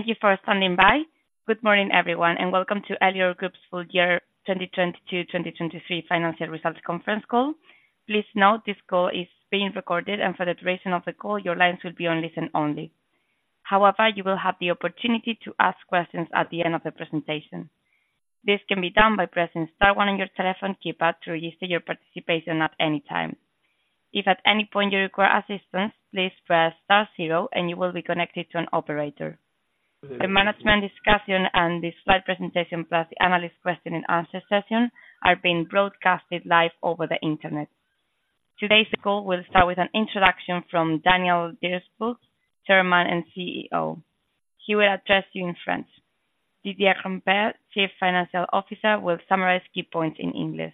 Thank you for standing by. Good morning, everyone, and welcome to Elior Group's full year 2022-2023 financial results conference call. Please note this call is being recorded, and for the duration of the call, your lines will be on listen only. However, you will have the opportunity to ask questions at the end of the presentation. This can be done by pressing star one on your telephone keypad to register your participation at any time. If at any point you require assistance, please press star zero and you will be connected to an operator. The management discussion and the slide presentation, plus the analyst question and answer session, are being broadcasted live over the Internet. Today's call will start with an introduction from Daniel Darierbourg, Chairman and CEO. He will address you in French. Didier Compère, Chief Financial Officer, will summarize key points in English.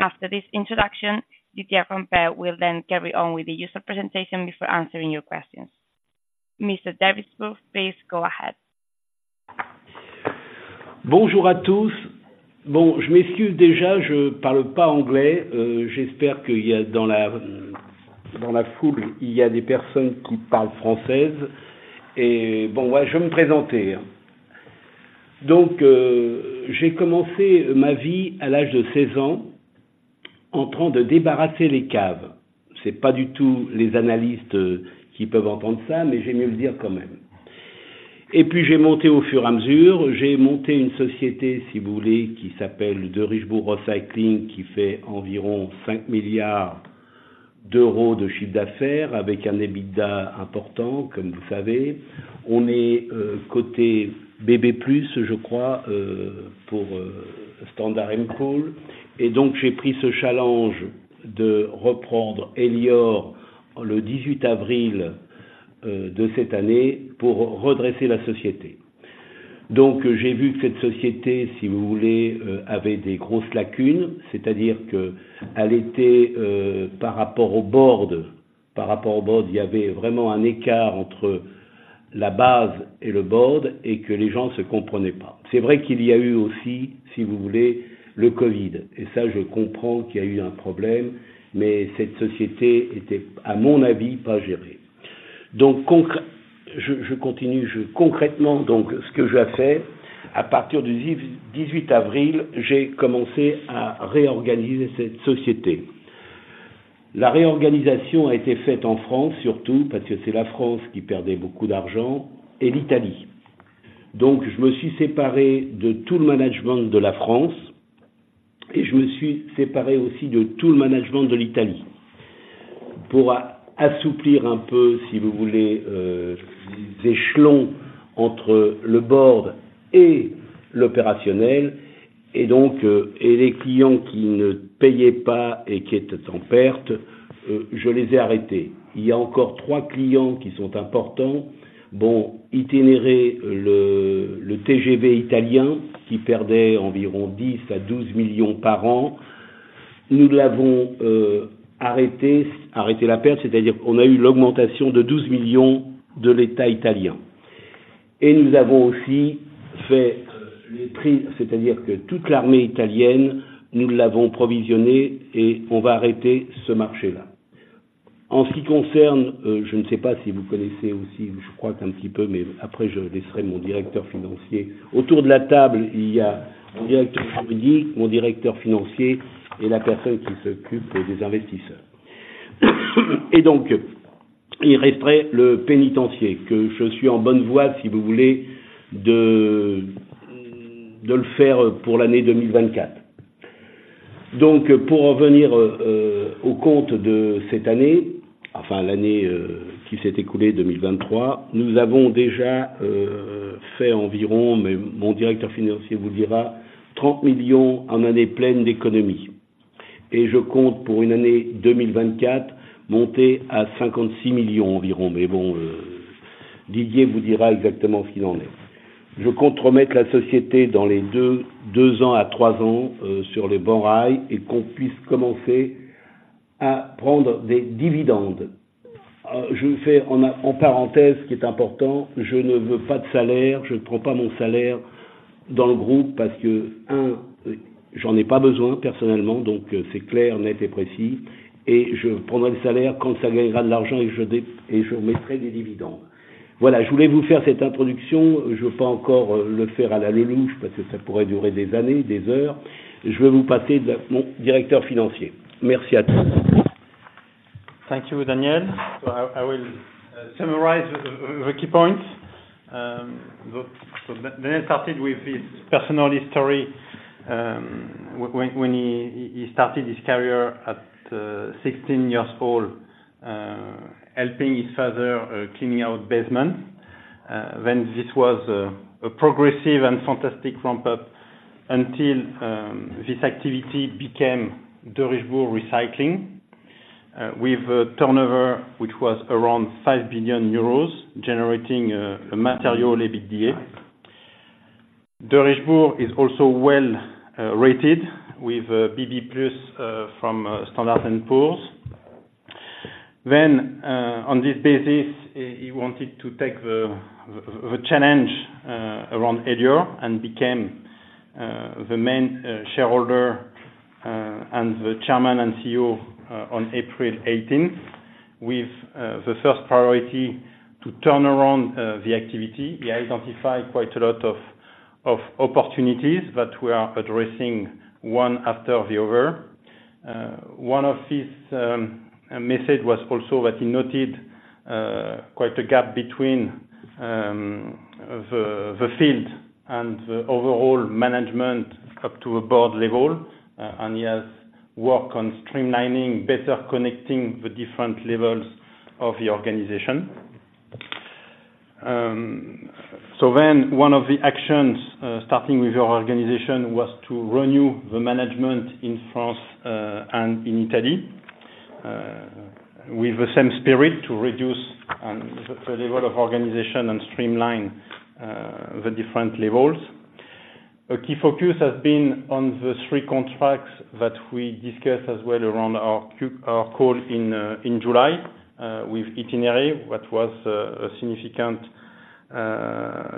After this introduction, Didier Compère will then carry on with the presentation before answering your questions. Mr. Darierbourg, please go ahead. Bonjour à tous. Bon, je m'excuse déjà, je ne parle pas anglais. J'espère qu'il y a dans la foule des personnes qui parlent français. Et bon, moi, je vais me présenter. Donc j'ai commencé ma vie à l'âge de seize ans en train de débarrasser les caves. Ce n'est pas du tout ce que les analystes peuvent entendre, mais j'aime le dire quand même. Et puis j'ai monté au fur et à mesure. J'ai monté une société, si vous voulez, qui s'appelle Derichebourg Recycling, qui fait environ €5 milliards de chiffre d'affaires, avec un EBITDA important, comme vous savez. On est côté BB+, je crois, pour Standard and Poor's. Et donc j'ai pris ce challenge de reprendre Elior le 18 avril de cette année pour redresser la société. Donc, j'ai vu que cette société, si vous voulez, avait des grosses lacunes, c'est-à-dire qu'elle était, par rapport au board, par rapport au board, il y avait vraiment un écart entre la base et le board, et que les gens ne se comprenaient pas. C'est vrai qu'il y a eu aussi, si vous voulez, le Covid, et ça, je comprends qu'il y a eu un problème, mais cette société était, à mon avis, pas gérée. Donc je continue. Concrètement, donc, ce que j'ai fait, à partir du 18 avril, j'ai commencé à réorganiser cette société. La réorganisation a été faite en France, surtout parce que c'est la France qui perdait beaucoup d'argent, et l'Italie. Donc, je me suis séparé de tout le management de la France et je me suis séparé aussi de tout le management de l'Italie, pour assouplir un peu, si vous voulez, les échelons entre le board et l'opérationnel. Et donc, les clients qui ne payaient pas et qui étaient en perte, je les ai arrêtés. Il y a encore trois clients qui sont importants. Bon, Itinéraire, le TGV italien, qui perdait environ 10 à 12 millions par an. Nous l'avons arrêté, arrêté la perte, c'est-à-dire qu'on a eu l'augmentation de 12 millions de l'État italien. Et nous avons aussi fait les prix, c'est-à-dire que toute l'armée italienne, nous l'avons provisionnée et on va arrêter ce marché-là. En ce qui concerne, je ne sais pas si vous connaissez aussi, je crois qu'un petit peu, mais après, je laisserai mon directeur financier. Autour de la table, il y a mon directeur juridique, mon directeur financier et la personne qui s'occupe des investisseurs. Il resterait le pénitencier, que je suis en bonne voie de le faire pour l'année 2024. Donc, pour en venir aux comptes de cette année, enfin, l'année qui s'est écoulée, 2023, nous avons déjà fait environ, mais mon directeur financier vous le dira, €30 millions en année pleine d'économies. Je compte, pour une année 2024, monter à €56 millions environ. Mais bon, Didier vous dira exactement ce qu'il en est. Je compte remettre la société dans les deux, deux ans à trois ans, sur les bons rails et qu'on puisse commencer à prendre des dividendes. Je fais en parenthèse, ce qui est important, je ne veux pas de salaire. Je ne prends pas mon salaire dans le groupe parce que, un, j'en ai pas besoin personnellement, donc c'est clair, net et précis, et je prendrai le salaire quand ça gagnera de l'argent et je remettrai des dividendes. Voilà, je voulais vous faire cette introduction. Je ne veux pas encore le faire à l'allée louche, parce que ça pourrait durer des années, des heures. Je vais vous passer mon directeur financier. Merci à tous. Thank you, Daniel. I will summarize the key points. Daniel started with his personal history, when he started his career at sixteen years old, helping his father cleaning out basement. Then this was a progressive and fantastic ramp-up until this activity became Derichebourg Recycling, with a turnover which was around €5 billion, generating a material EBITDA. Derichebourg is also well rated with BB+ from Standard and Poor's. Then, on this basis, he wanted to take the challenge around Elior and became- The main shareholder and the chairman and CEO on April 18th, with the first priority to turn around the activity. He identified quite a lot of opportunities that we are addressing one after the other. One of his methods was also that he noted quite a gap between the field and the overall management up to a board level, and he has worked on streamlining, better connecting the different levels of the organization. So then one of the actions, starting with your organization, was to renew the management in France and in Italy with the same spirit, to reduce on the level of organization and streamline the different levels. A key focus has been on the three contracts that we discussed as well around our call in July with Itinéris, what was a significant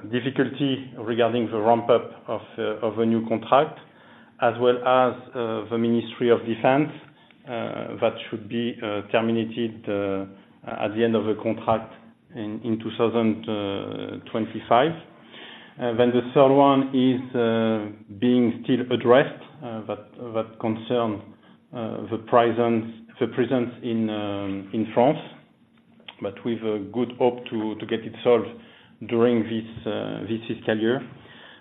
difficulty regarding the ramp-up of a new contract, as well as the Ministry of Defense that should be terminated at the end of the contract in 2025. Then the third one is being still addressed, but that concerns the presence in France, but with a good hope to get it solved during this fiscal year.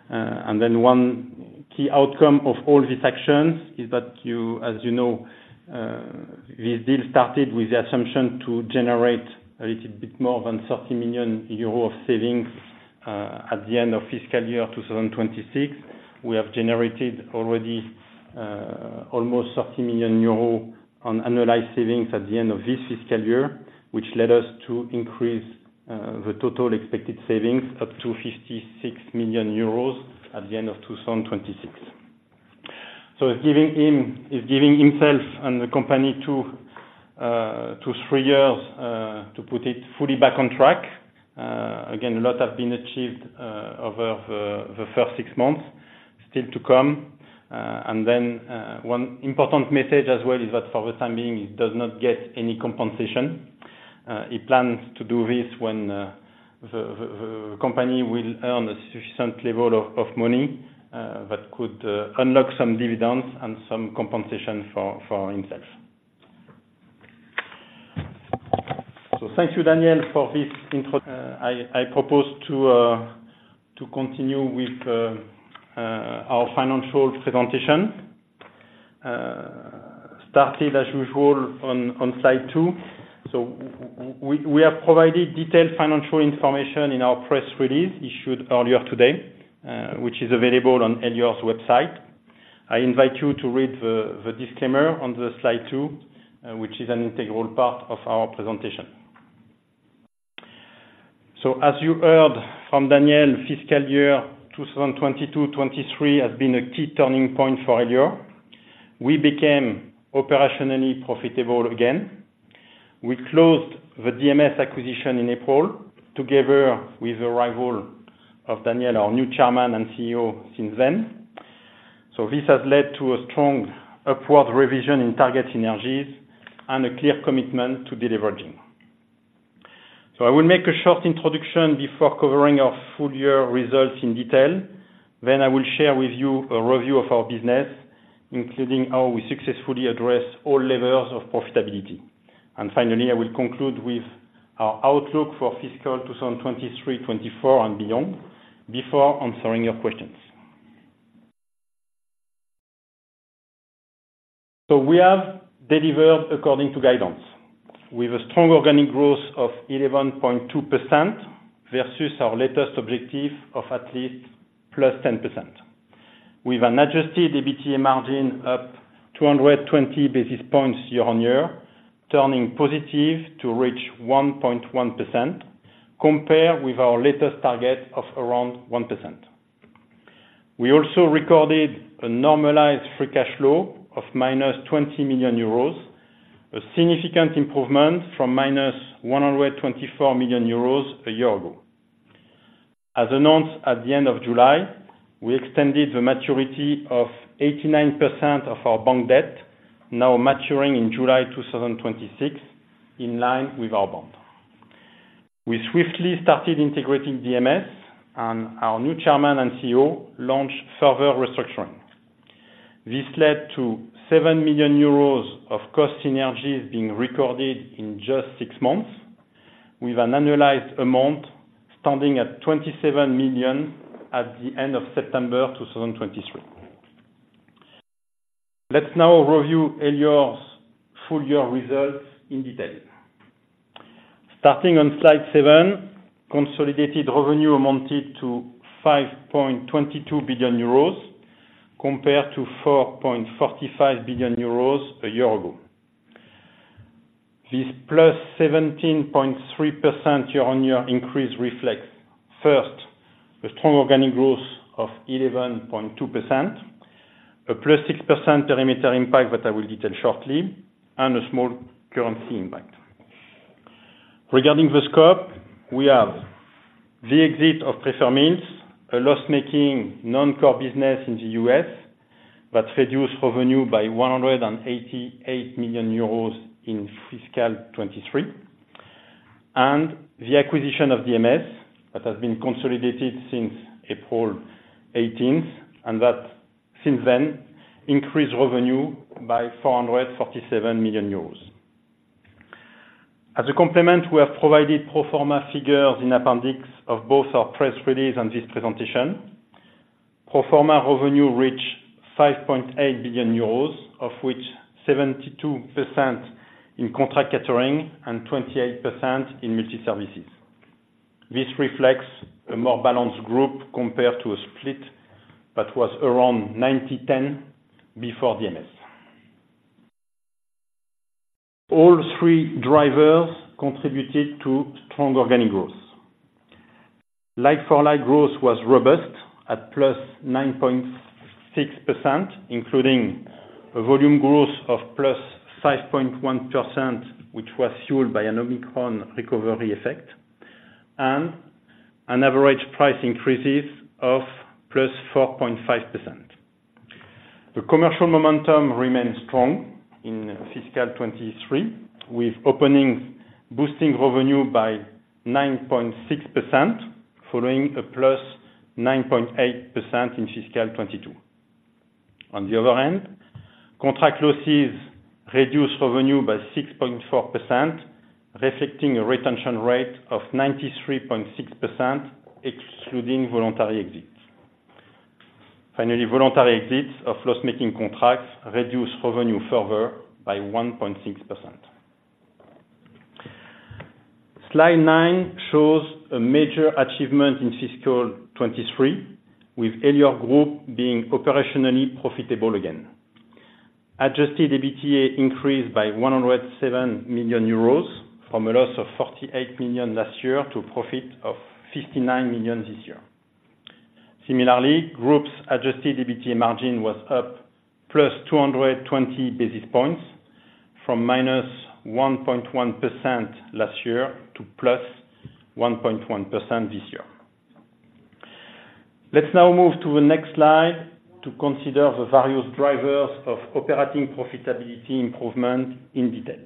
And then one key outcome of all these actions is that you, as you know, this deal started with the assumption to generate a little bit more than €30 million of savings at the end of fiscal year 2026. We have generated already almost €30 million on annualized savings at the end of this fiscal year, which led us to increase the total expected savings up to €56 million at the end of 2026. So he's giving himself and the company two to three years to put it fully back on track. Again, a lot has been achieved over the first six months, still to come. And then one important message as well is that for the time being, he does not get any compensation. He plans to do this when the company will earn a sufficient level of money that could unlock some dividends and some compensation for himself. Thank you, Daniel, for this intro. I propose to continue with our financial presentation, starting as usual on slide two. We have provided detailed financial information in our press release issued earlier today, which is available on Elior's website. I invite you to read the disclaimer on slide two, which is an integral part of our presentation. As you heard from Daniel, fiscal year 2022-2023 has been a key turning point for Elior. We became operationally profitable again. We closed the DMS acquisition in April, together with the arrival of Daniel, our new chairman and CEO since then. This has led to a strong upward revision in target synergies and a clear commitment to delivering. I will make a short introduction before covering our full year results in detail. Then I will share with you a review of our business, including how we successfully address all levels of profitability. Finally, I will conclude with our outlook for fiscal 2023, 2024 and beyond, before answering your questions. We have delivered according to guidance, with a strong organic growth of 11.2% versus our latest objective of at least +10%, with an adjusted EBITDA margin up 220 basis points year-on-year, turning positive to reach 1.1%, compared with our latest target of around 1%. We also recorded a normalized free cash flow of minus €20 million, a significant improvement from minus €124 million a year ago. As announced at the end of July, we extended the maturity of 89% of our bank debt, now maturing in July 2026, in line with our bond. We swiftly started integrating DMS, and our new chairman and CEO launched further restructuring. This led to €7 million of cost synergies being recorded in just six months, with an annualized amount standing at €27 million at the end of September 2023. Let's now review Elior's full year results in detail. Starting on slide seven, consolidated revenue amounted to €5.22 billion, compared to €4.45 billion a year ago. This plus 17.3% year-on-year increase reflects, first, the strong organic growth of 11.2%, a plus 6% perimeter impact, that I will detail shortly, and a small currency impact. Regarding the scope, we have the exit of Fresh & Mint, a loss-making non-core business in the U.S., that reduced revenue by €188 million in fiscal '23, and the acquisition of DMS, that has been consolidated since April 18th, and that since then, increased revenue by €447 million. As a complement, we have provided pro forma figures in appendix of both our press release and this presentation. Pro forma revenue reached €5.8 billion, of which 72% in contract catering and 28% in multi-services. This reflects a more balanced group compared to a split that was around 90/10 before DMS. All three drivers contributed to strong organic growth. Like-for-like growth was robust at +9.6%, including a volume growth of +5.1%, which was fueled by an Omicron recovery effect, and an average price increases of +4.5%. The commercial momentum remains strong in fiscal '23, with openings boosting revenue by 9.6%, following a +9.8% in fiscal '22. On the other hand, contract losses reduced revenue by 6.4%, reflecting a retention rate of 93.6%, excluding voluntary exits. Finally, voluntary exits of loss-making contracts reduced revenue further by 1.6%. Slide nine shows a major achievement in fiscal '23, with Elior Group being operationally profitable again. Adjusted EBITDA increased by €107 million, from a loss of €48 million last year to a profit of €59 million this year. Similarly, the group's adjusted EBITDA margin was up 220 basis points, from -1.1% last year to +1.1% this year. Let's now move to the next slide to consider the various drivers of operating profitability improvement in detail.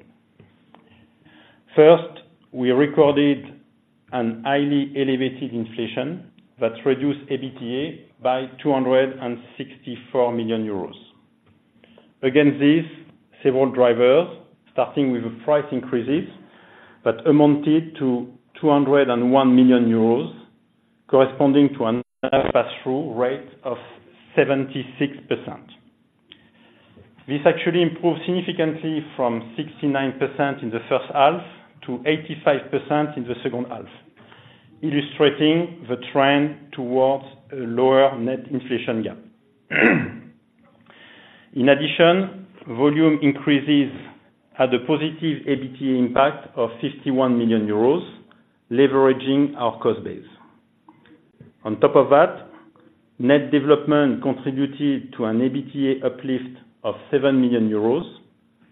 First, we recorded highly elevated inflation that reduced EBITDA by €264 million. Against this, several drivers, starting with price increases, amounted to €201 million, corresponding to a pass-through rate of 76%. This actually improved significantly from 69% in the first half to 85% in the second half, illustrating the trend towards a lower net inflation gap. In addition, volume increases had a positive EBITDA impact of €51 million, leveraging our cost base. On top of that, net development contributed to an EBITDA uplift of €7 million,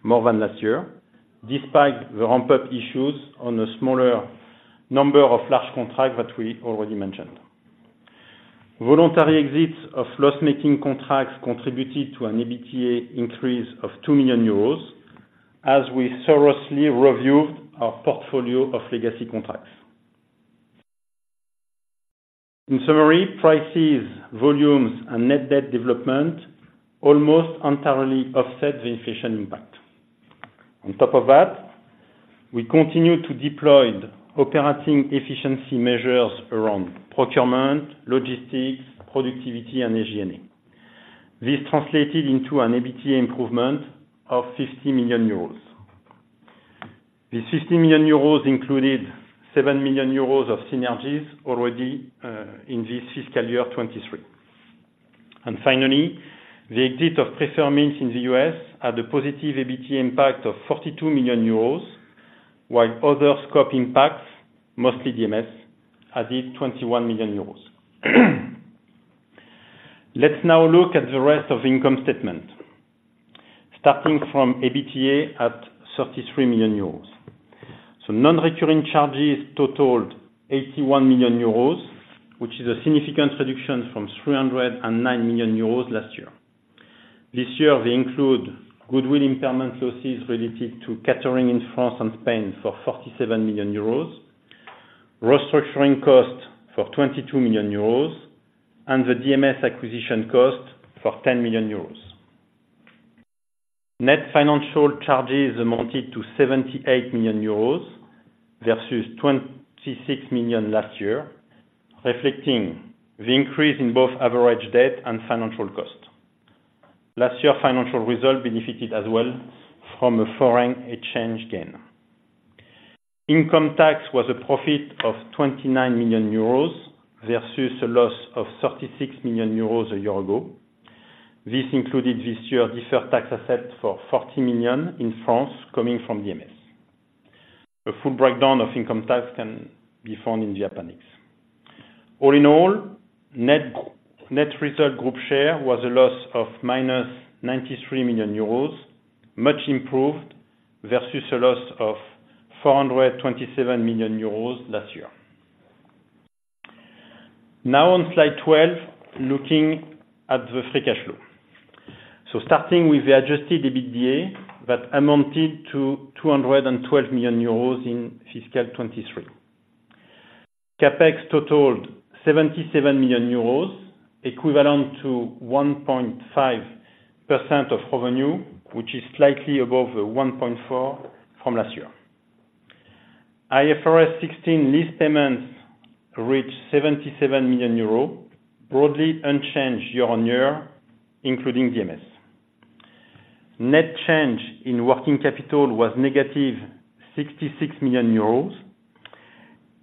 more than last year, despite the ramp-up issues on a smaller number of large contracts that we already mentioned. Voluntary exits of loss-making contracts contributed to an EBITDA increase of €2 million, as we thoroughly reviewed our portfolio of legacy contracts. In summary, prices, volumes, and net debt development almost entirely offset the inflation impact. On top of that, we continue to deploy the operating efficiency measures around procurement, logistics, productivity, and G&A. This translated into an EBITDA improvement of €50 million. The €50 million included €7 million of synergies already in this fiscal year 2023. Finally, the exit of Fresh & Mint in the US had a positive EBITDA impact of €42 million, while other scope impacts, mostly DMS, added €21 million. Let's now look at the rest of the income statement, starting from EBITDA at €33 million. Non-recurring charges totaled €81 million, which is a significant reduction from €309 million last year. This year, they include goodwill impairment losses related to catering in France and Spain for €47 million, restructuring costs for €22 million, and the DMS acquisition cost for €10 million. Net financial charges amounted to €78 million versus €26 million last year, reflecting the increase in both average debt and financial cost. Last year, financial result benefited as well from a foreign exchange gain. Income tax was a profit of €29 million versus a loss of €36 million a year ago. This included this year deferred tax asset for €40 million in France, coming from DMS. A full breakdown of income tax can be found in the appendix. All in all, net result group share was a loss of minus €93 million, much improved versus a loss of €427 million last year. On Slide 12, looking at the free cash flow. Starting with the adjusted EBITDA, that amounted to €212 million in fiscal '23. CapEx totaled €77 million, equivalent to 1.5% of revenue, which is slightly above the 1.4% from last year. IFRS 16 lease payments reached €77 million, broadly unchanged year-on-year, including DMS. Net change in working capital was negative €66 million.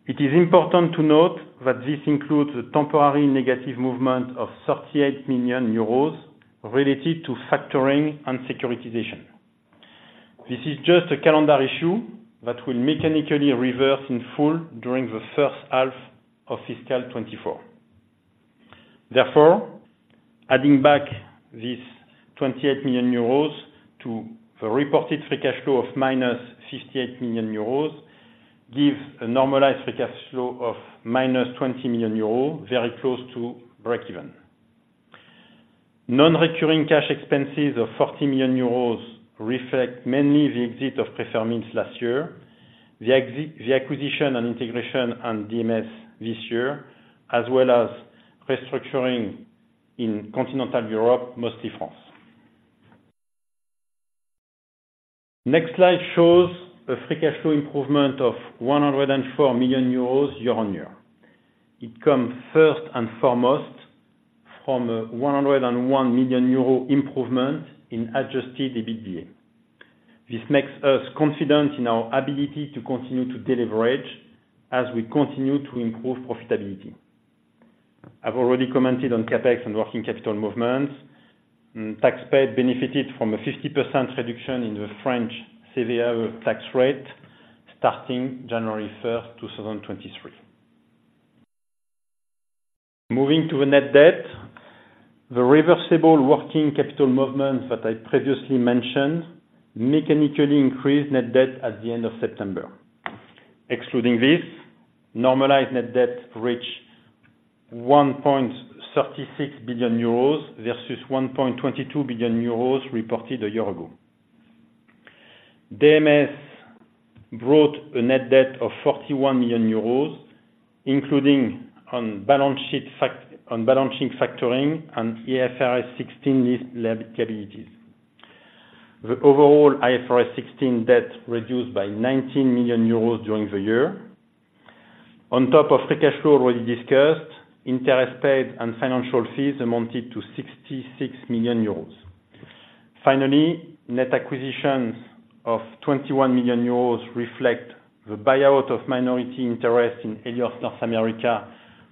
It is important to note that this includes a temporary negative movement of €38 million related to factoring and securitization. This is just a calendar issue that will mechanically reverse in full during the first half of fiscal '24. Therefore, adding back this €28 million to the reported free cash flow of minus €58 million, gives a normalized free cash flow of minus €20 million, very close to breakeven. Non-recurring cash expenses of €40 million reflect mainly the exit of Prefer last year, the acquisition and integration of DMS this year, as well as restructuring in continental Europe, mostly France. Next slide shows a free cash flow improvement of €104 million year-on-year. It comes first and foremost from a €101 million improvement in adjusted EBITDA. This makes us confident in our ability to continue to deleverage as we continue to improve profitability. I've already commented on CapEx and working capital movements, and tax paid benefited from a 50% reduction in the French CVA tax rate, starting January 1st, 2023. Moving to the net debt, the reversible working capital movement that I previously mentioned mechanically increased net debt at the end of September. Excluding this, normalized net debt reached €1.36 billion, versus €1.22 billion reported a year ago. DMS brought a net debt of €41 million, including on balance sheet factoring and IFRS 16 lease liabilities. The overall IFRS 16 debt reduced by €19 million during the year. On top of free cash flow already discussed, interest paid and financial fees amounted to €66 million. Finally, net acquisitions of €21 million reflect the buyout of minority interest in Elior North America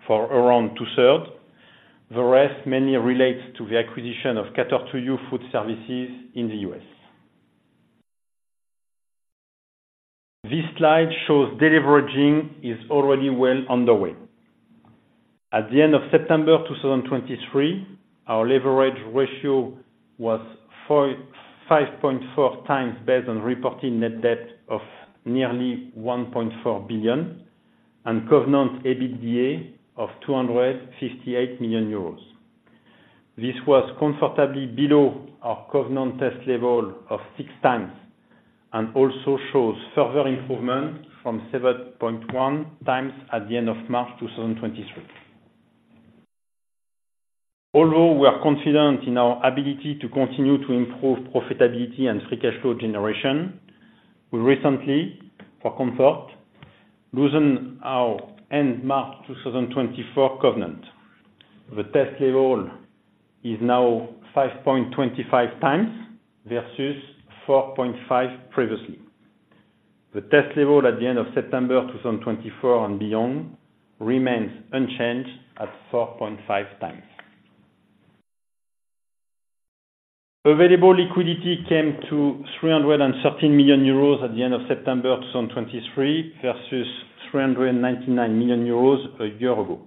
for around two-thirds. The rest mainly relates to the acquisition of Cater 2 You food services in the US. This slide shows deleveraging is already well underway. At the end of September 2023, our leverage ratio was 5.4 times, based on reported net debt of nearly €1.4 billion, and covenant EBITDA of €258 million. This was comfortably below our covenant test level of 6 times, and also shows further improvement from 7.1 times at the end of March 2023. Although we are confident in our ability to continue to improve profitability and free cash flow generation, we recently, for comfort, loosened our end March 2024 covenant. The test level is now 5.25 times versus 4.5 previously. The test level at the end of September 2024 and beyond remains unchanged at 4.5 times. Available liquidity came to €313 million at the end of September 2023, versus €399 million a year ago.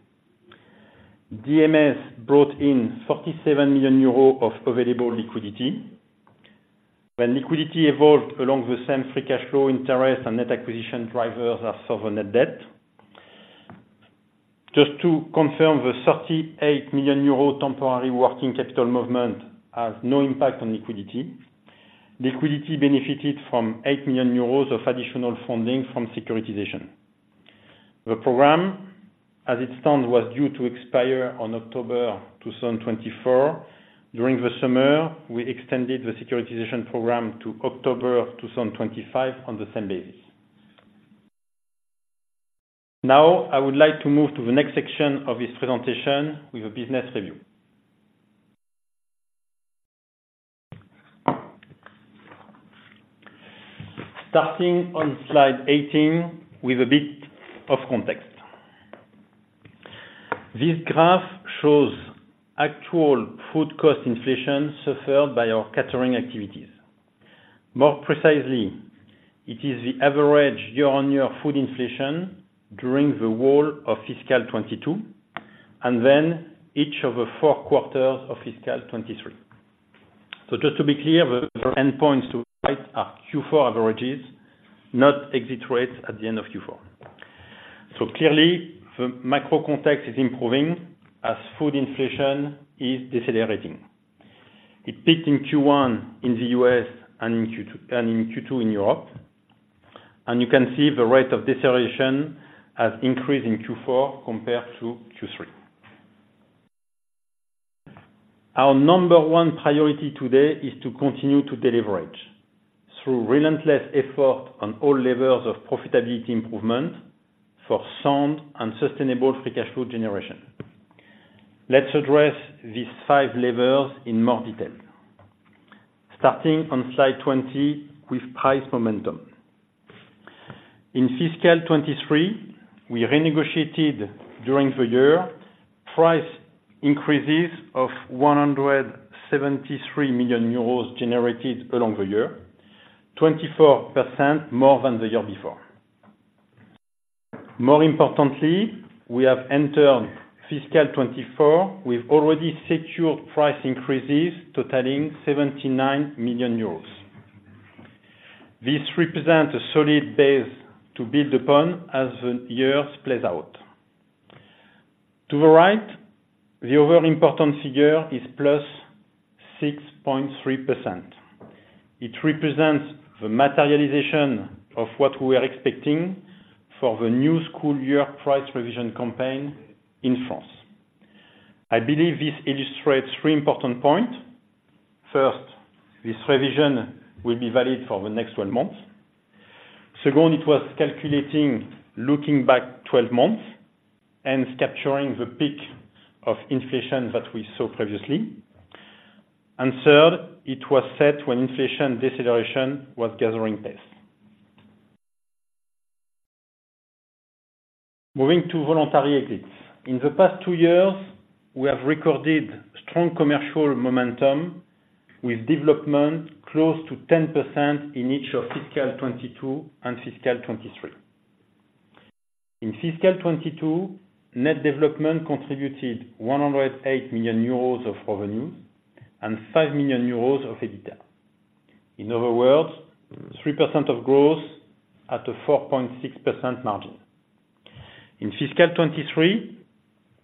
DMS brought in €47 million of available liquidity. When liquidity evolved along the same free cash flow, interest and net acquisition drivers as over net debt, just to confirm, the €38 million temporary working capital movement has no impact on liquidity. Liquidity benefited from €8 million of additional funding from securitization. The program, as it stands, was due to expire on October 2024. During the summer, we extended the securitization program to October 2025 on the same basis. Now, I would like to move to the next section of this presentation with a business review. Starting on Slide 18 with a bit of context. This graph shows actual food cost inflation suffered by our catering activities. More precisely, it is the average year-on-year food inflation during the whole of fiscal '22, and then each of the four quarters of fiscal '23. Just to be clear, the endpoints to right are Q4 averages, not exit rates at the end of Q4. Clearly, the macro context is improving as food inflation is decelerating. It peaked in Q1 in the US and in Q2 in Europe, and you can see the rate of deceleration has increased in Q4 compared to Q3. Our number one priority today is to continue to deleverage through relentless effort on all levels of profitability improvement for sound and sustainable free cash flow generation. Let's address these five levels in more detail. Starting on Slide 20 with price momentum. In fiscal 2023, we renegotiated during the year price increases of €173 million generated along the year, 24% more than the year before. More importantly, we have entered fiscal 2024, we've already secured price increases totaling €79 million. This represents a solid base to build upon as the year plays out. To the right, the other important figure is +6.3%. It represents the materialization of what we are expecting for the new school year price revision campaign in France. I believe this illustrates three important points: First, this revision will be valid for the next 12 months. Second, it was calculating looking back twelve months and capturing the peak of inflation that we saw previously. Third, it was set when inflation deceleration was gathering pace. Moving to voluntary exits. In the past two years, we have recorded strong commercial momentum with development close to 10% in each of fiscal '22 and fiscal '23. In fiscal '22, net development contributed €108 million of revenues and €5 million of EBITDA. In other words, 3% of growth at a 4.6% margin. In fiscal '23,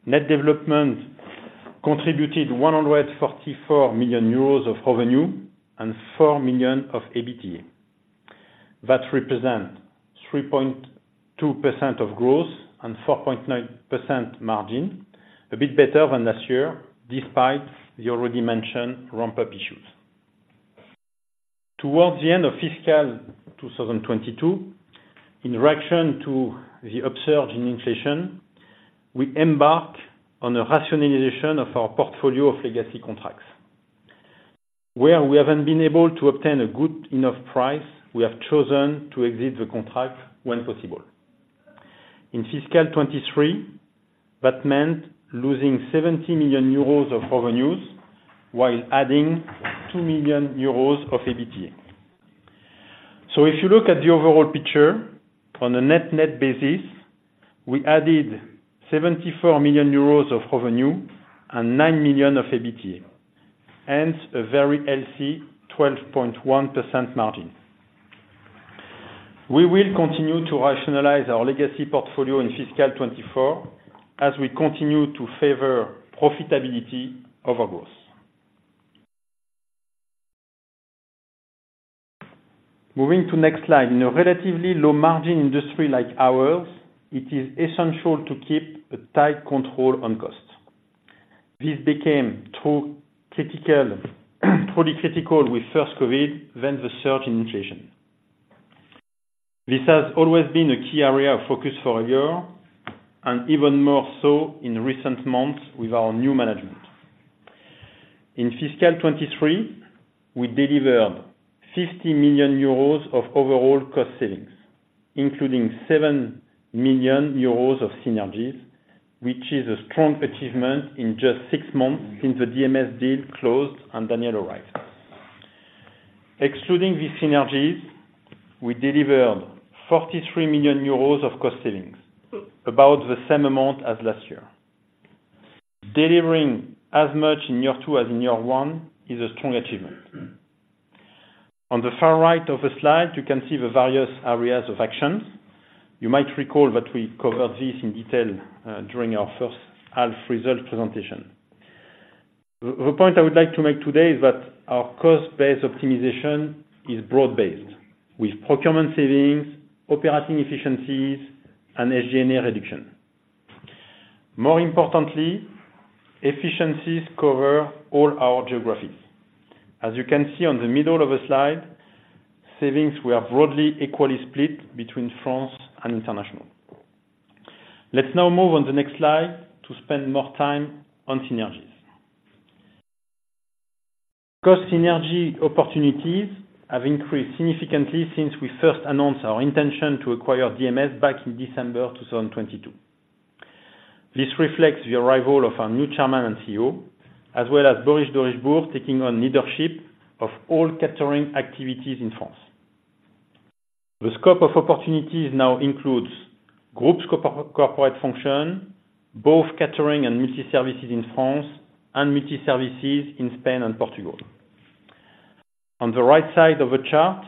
net development contributed €144 million of revenue and €4 million of EBITDA. That represent 3.2% of growth and 4.9% margin, a bit better than last year, despite the already mentioned ramp-up issues. Towards the end of fiscal 2022, in reaction to the upsurge in inflation, we embarked on a rationalization of our portfolio of legacy contracts. Where we haven't been able to obtain a good enough price, we have chosen to exit the contract when possible. In fiscal 2023, that meant losing €70 million of revenues while adding €2 million of EBITDA. If you look at the overall picture, on a net-net basis, we added €74 million of revenue and €9 million of EBITDA, hence a very healthy 12.1% margin. We will continue to rationalize our legacy portfolio in fiscal 2024, as we continue to favor profitability over growth. Moving to next slide. In a relatively low margin industry like ours, it is essential to keep a tight control on cost. This became too critical, pretty critical with first COVID, then the surge in inflation. This has always been a key area of focus for Elior, and even more so in recent months with our new management. In fiscal 2023, we delivered €50 million of overall cost savings, including €7 million of synergies, which is a strong achievement in just six months since the DMS deal closed and Danilo arrived. Excluding the synergies, we delivered €43 million of cost savings, about the same amount as last year. Delivering as much in year two as in year one is a strong achievement. On the far right of the slide, you can see the various areas of actions. You might recall that we covered this in detail during our first half result presentation. The point I would like to make today is that our cost base optimization is broad-based, with procurement savings, operating efficiencies, and SG&A reduction. More importantly, efficiencies cover all our geographies. As you can see on the middle of the slide, savings were broadly equally split between France and international. Let's now move on the next slide to spend more time on synergies. Cost synergy opportunities have increased significantly since we first announced our intention to acquire DMS back in December of 2022. This reflects the arrival of our new chairman and CEO, as well as Boris Durisbourg, taking on leadership of all catering activities in France. The scope of opportunities now includes groups corporate function, both catering and multi-services in France, and multi-services in Spain and Portugal. On the right side of the chart,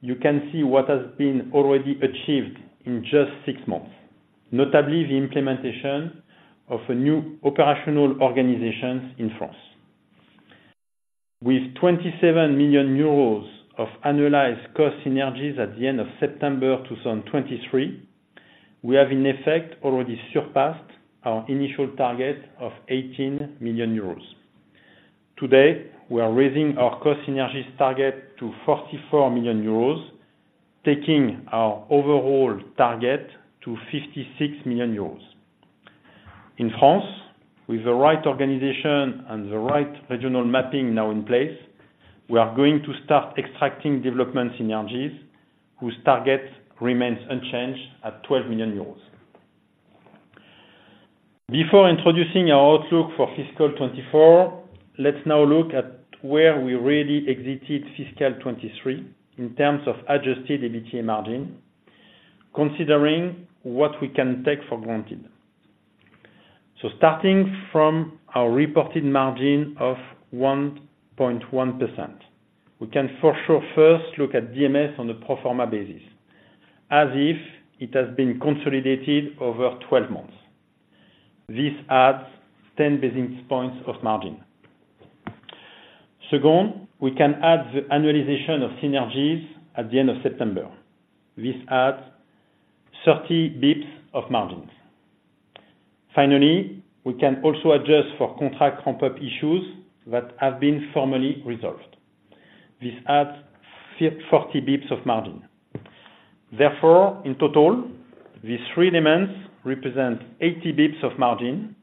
you can see what has been already achieved in just six months, notably the implementation of a new operational organization in France. With €27 million of annualized cost synergies at the end of September 2023, we have in effect already surpassed our initial target of €18 million. Today, we are raising our cost synergies target to €44 million, taking our overall target to €56 million. In France, with the right organization and the right regional mapping now in place, we are going to start extracting development synergies, whose target remains unchanged at €12 million. Before introducing our outlook for fiscal 2024, let's now look at where we really exited fiscal 2023 in terms of adjusted EBITDA margin, considering what we can take for granted. Starting from our reported margin of 1.1%, we can for sure first look at DMS on a pro forma basis, as if it has been consolidated over twelve months. This adds ten basis points of margin. Second, we can add the annualization of synergies at the end of September. This adds 30 BPs of margins. Finally, we can also adjust for contract ramp-up issues that have been formally resolved. This adds 40 BPs of margin. Therefore, in total, these three demands represent 80 BPs of margin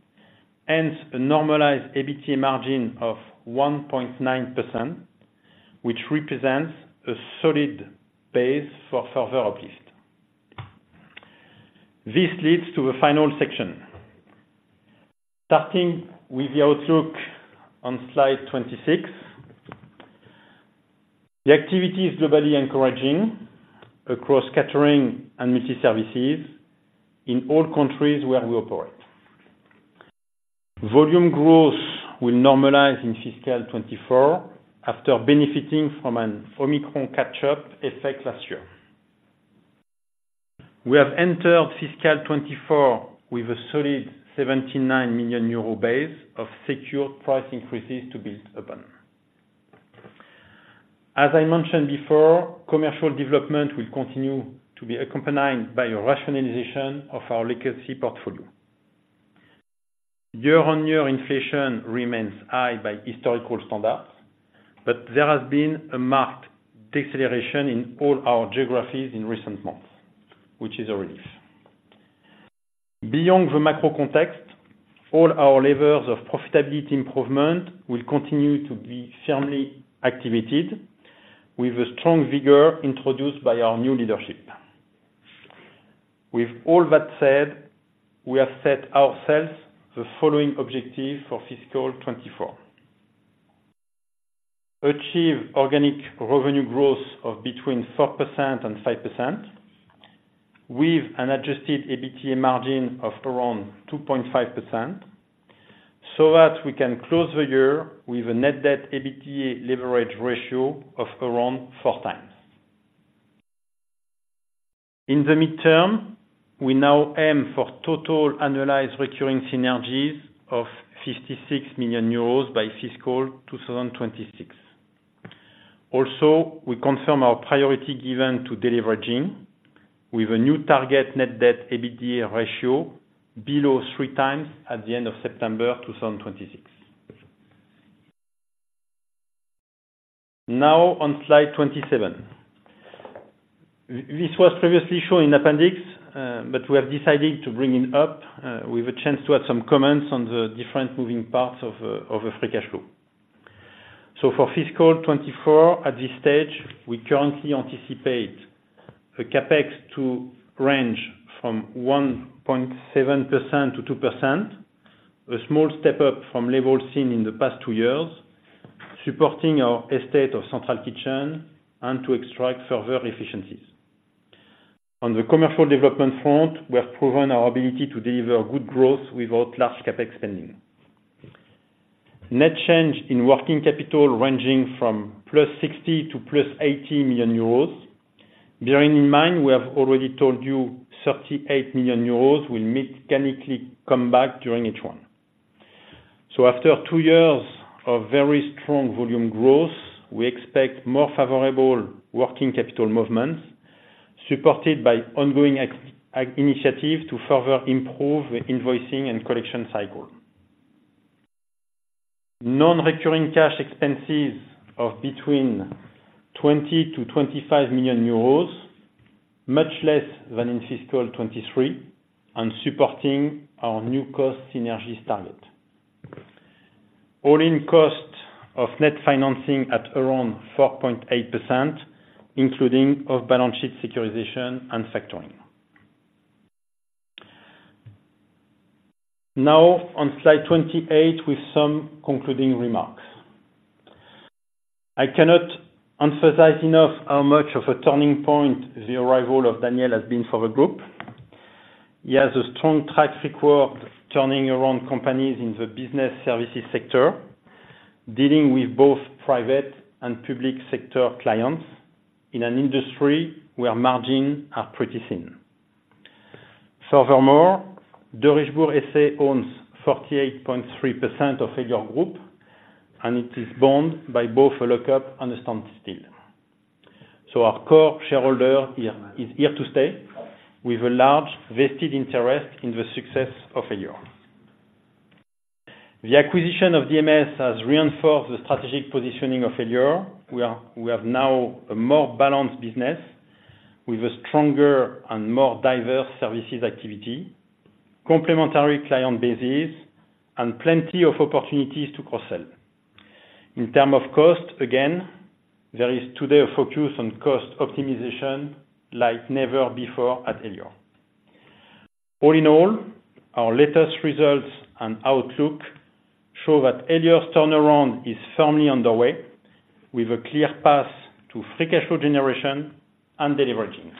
and a normalized EBITDA margin of 1.9%, which represents a solid base for further uplift. This leads to the final section. Starting with the outlook on slide twenty-six, the activity is globally encouraging across catering and multi-services in all countries where we operate. Volume growth will normalize in fiscal 2024, after benefiting from an Omicron catch-up effect last year. We have entered fiscal 2024 with a solid €79 million base of secure price increases to build upon. As I mentioned before, commercial development will continue to be accompanied by a rationalization of our legacy portfolio. Year-on-year, inflation remains high by historical standards, but there has been a marked deceleration in all our geographies in recent months, which is a relief. Beyond the macro context, all our levers of profitability improvement will continue to be firmly activated with a strong vigor introduced by our new leadership. With all that said, we have set ourselves the following objectives for fiscal 2024: achieve organic revenue growth of between 4% and 5%, with an adjusted EBITDA margin of around 2.5%, so that we can close the year with a net debt EBITDA leverage ratio of around four times. In the midterm, we now aim for total annualized recurring synergies of €56 million by fiscal 2026. Also, we confirm our priority given to deleveraging, with a new target net debt EBITDA ratio below three times at the end of September 2026. Now, on Slide 27. This was previously shown in appendix, but we have decided to bring it up, with a chance to add some comments on the different moving parts of the free cash flow. For fiscal 2024, at this stage, we currently anticipate a CapEx to range from 1.7% to 2%, a small step up from levels seen in the past two years, supporting our estate of central kitchen and to extract further efficiencies. On the commercial development front, we have proven our ability to deliver good growth without large CapEx spending. Net change in working capital ranging from plus €60 to plus €80 million. Bearing in mind, we have already told you €38 million will mechanically come back during H1. After two years of very strong volume growth, we expect more favorable working capital movements, supported by ongoing initiatives to further improve the invoicing and collection cycle. Non-recurring cash expenses of between €20 to €25 million, much less than in fiscal 2023, and supporting our new cost synergies target. All-in cost of net financing at around 4.8%, including off balance sheet securitization and factoring. Now on slide 28 with some concluding remarks. I cannot emphasize enough how much of a turning point the arrival of Daniel has been for the group. He has a strong track record, turning around companies in the business services sector, dealing with both private and public sector clients in an industry where margins are pretty thin. Furthermore, Derichebourg S.A. owns 48.3% of Elior Group, and it is bound by both a lockup and a standstill. So our core shareholder here is here to stay with a large vested interest in the success of Elior. The acquisition of DMS has reinforced the strategic positioning of Elior. We have now a more balanced business with a stronger and more diverse services activity, complementary client bases, and plenty of opportunities to cross-sell. In terms of cost, again, there is today a focus on cost optimization like never before at Elior. All in all, our latest results and outlook show that Elior's turnaround is firmly underway with a clear path to free cash flow generation and deleveraging.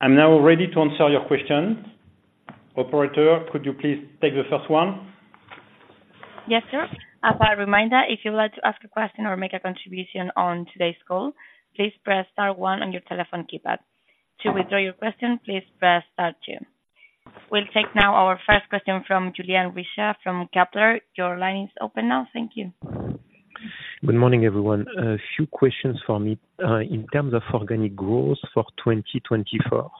I'm now ready to answer your questions. Operator, could you please take the first one? Yes, sir. As a reminder, if you'd like to ask a question or make a contribution on today's call, please press star one on your telephone keypad. To withdraw your question, please press star two. We'll take now our first question from Julien Richat from Kepler. Your line is open now. Thank you. Good morning, everyone. A few questions for me. In terms of organic growth for 2024,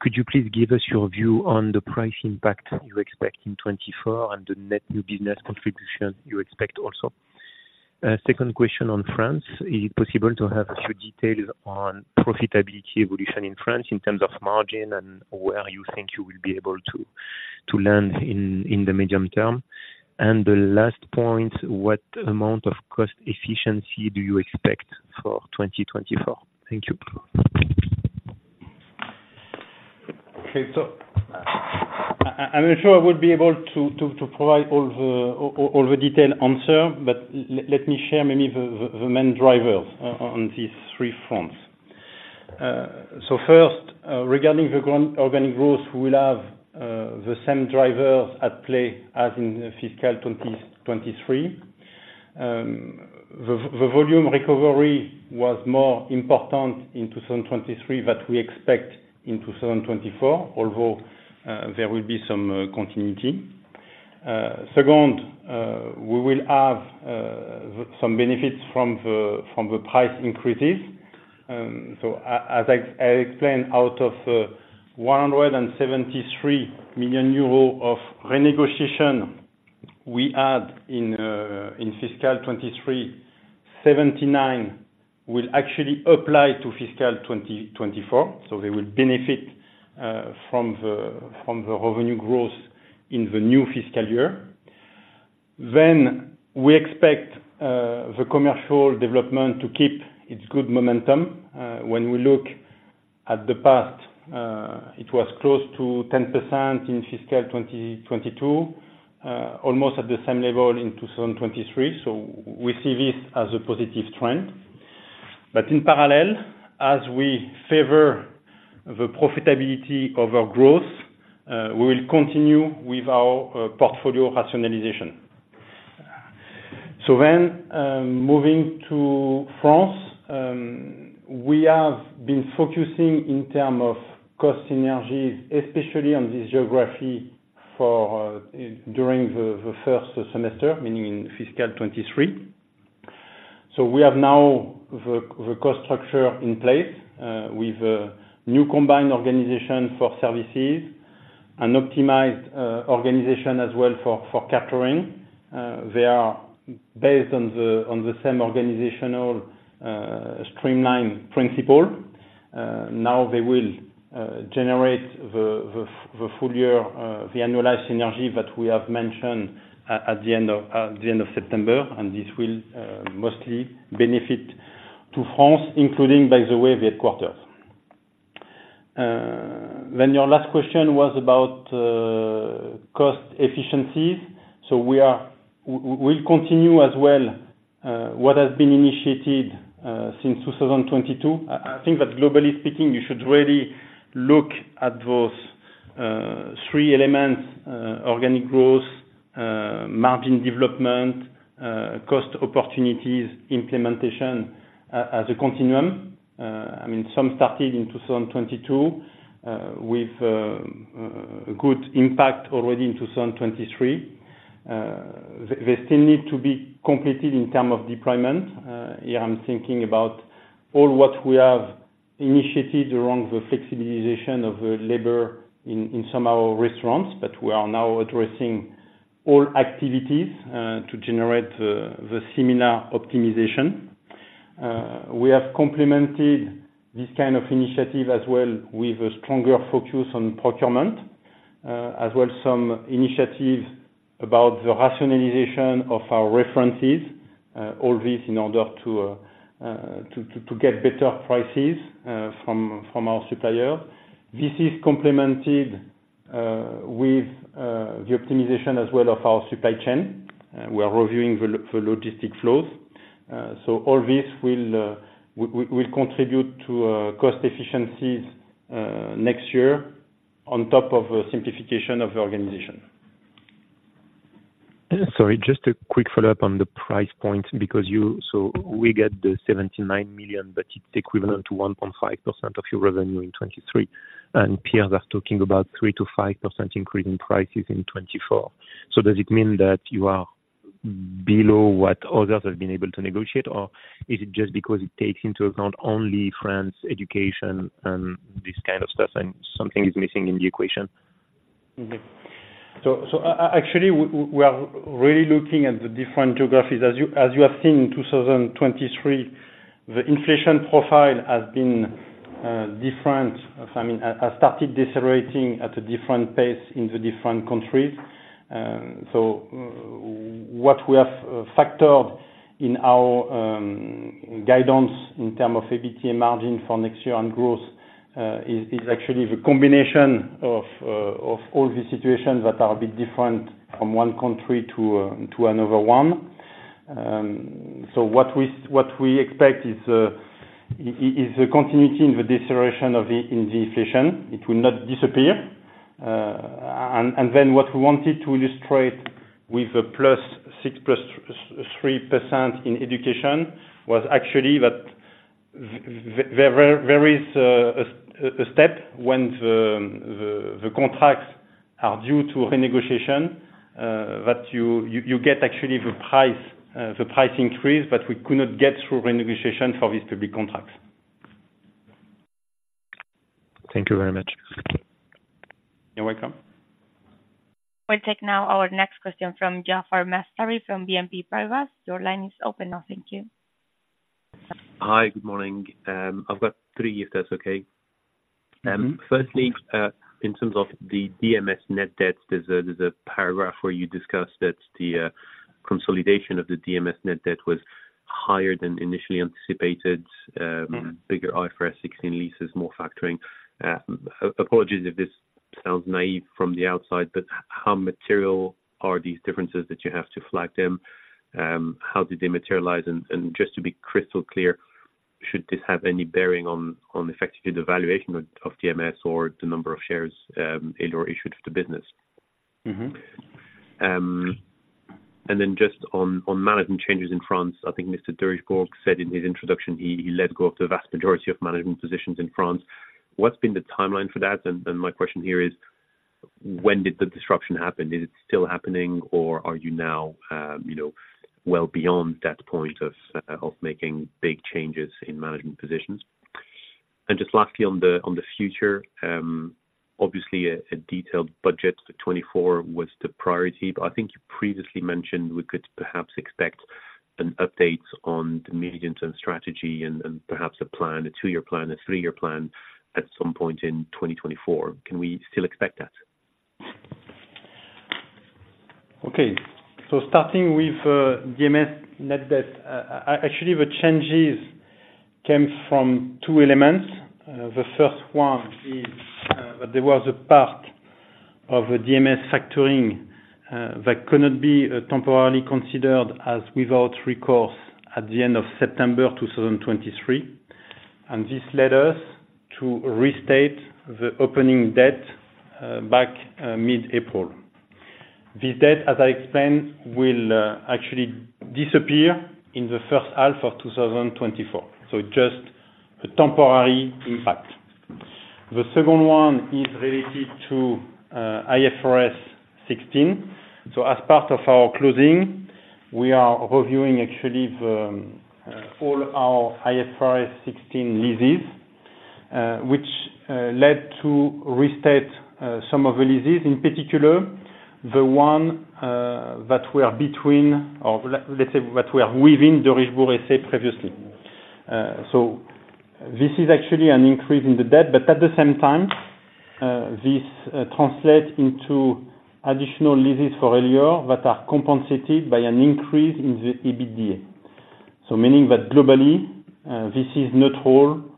could you please give us your view on the price impact you expect in 2024 and the net new business contribution you expect also? Second question on France: is it possible to have a few details on profitability evolution in France in terms of margin and where you think you will be able to land in the medium term? And the last point, what amount of cost efficiency do you expect for 2024? Thank you. Okay. So I'm not sure I will be able to provide all the detailed answer, but let me share maybe the main drivers on these three fronts. So first, regarding the grand organic growth, we will have the same drivers at play as in fiscal 2023. The volume recovery was more important in 2023 that we expect in 2024, although there will be some continuity. Second, we will have some benefits from the price increases. So as I explained, out of €173 million of renegotiation, we had in fiscal 2023, €79 million will actually apply to fiscal 2024. They will benefit from the revenue growth in the new fiscal year. We expect the commercial development to keep its good momentum. When we look at the past, it was close to 10% in fiscal 2022, almost at the same level in 2023, so we see this as a positive trend. But in parallel, as we favor the profitability over growth, we will continue with our portfolio rationalization. Moving to France, we have been focusing in terms of cost synergies, especially on this geography during the first semester, meaning in fiscal 2023. We have now the cost structure in place, with a new combined organization for services and optimized organization as well for catering. They are based on the same organizational streamline principle. Now they will generate the full year, the annualized synergy that we have mentioned at the end of September, and this will mostly benefit France, including, by the way, the headquarters. Then your last question was about cost efficiencies. So we will continue as well what has been initiated since 2022. I think that globally speaking, you should really look at those three elements, organic growth, margin development, cost opportunities implementation as a continuum. I mean, some started in 2022 with a good impact already in 2023. They still need to be completed in terms of deployment. Yeah, I'm thinking about all what we have initiated around the flexibilization of the labor in some of our restaurants, but we are now addressing all activities to generate the similar optimization. We have complemented this kind of initiative as well, with a stronger focus on procurement, as well as some initiatives about the rationalization of our references, all this in order to get better prices from our suppliers. This is complemented with the optimization as well of our supply chain. We are reviewing the logistic flows. So all this will contribute to cost efficiencies next year on top of a simplification of the organization. Sorry, just a quick follow-up on the price point, because you-- so we get the $79 million, but it's equivalent to 1.5% of your revenue in 2023, and peers are talking about 3% to 5% increase in prices in 2024. So does it mean that you are below what others have been able to negotiate? Or is it just because it takes into account only France education and this kind of stuff, and something is missing in the equation? So actually, we are really looking at the different geographies. As you have seen in 2023, the inflation profile has been different. I mean, has started decelerating at a different pace in the different countries. So what we have factored in our guidance in terms of EBITDA margin for next year on growth is actually the combination of all these situations that are a bit different from one country to another one. So what we expect is a continuity in the deceleration of the inflation. It will not disappear. And then what we wanted to illustrate with the plus 6%, plus 3% in education, was actually that there is a step when the contracts are due to renegotiation that you get actually the price, the price increase, but we could not get through renegotiation for these public contracts. Thank you very much. You're welcome. We'll take now our next question from Jafar Mastari from BNP Paribas. Your line is open now. Thank you. Hi. Good morning. I've got three, if that's okay? Mm-hmm. Firstly, in terms of the DMS net debt, there's a paragraph where you discussed that the consolidation of the DMS net debt was higher than initially anticipated. Mm-hmm. Bigger IFRS 16 leases, more factoring. Apologies if this sounds naive from the outside, but how material are these differences that you have to flag them? How did they materialize? And just to be crystal clear, should this have any bearing on effectively the valuation of DMS or the number of shares issued of the business? Mm-hmm. And then just on management changes in France, I think Mr. Dirk Gore said in his introduction, he let go of the vast majority of management positions in France. What's been the timeline for that? And my question here is: When did the disruption happen? Is it still happening, or are you now well beyond that point of making big changes in management positions? And just lastly, on the future, obviously a detailed budget for 2024 was the priority, but I think you previously mentioned we could perhaps expect an update on the medium-term strategy and perhaps a plan, a two-year plan, a three-year plan, at some point in 2024. Can we still expect that? Starting with DMS net debt, actually, the changes came from two elements. The first one is that there was a part of a DMS factoring that could not be temporarily considered as without recourse at the end of September 2023, and this led us to restate the opening debt back mid-April. This debt, as I explained, will actually disappear in the first half of 2024, so just a temporary impact. The second one is related to IFRS 16. As part of our closing, we are reviewing actually all our IFRS 16 leases, which led to restate some of the leases, in particular, the one that were between or let's say, that were within the Dereg group I said previously. So this is actually an increase in the debt, but at the same time, this translates into additional leases for earlier that are compensated by an increase in the EBITDA. Meaning that globally, this is not whole from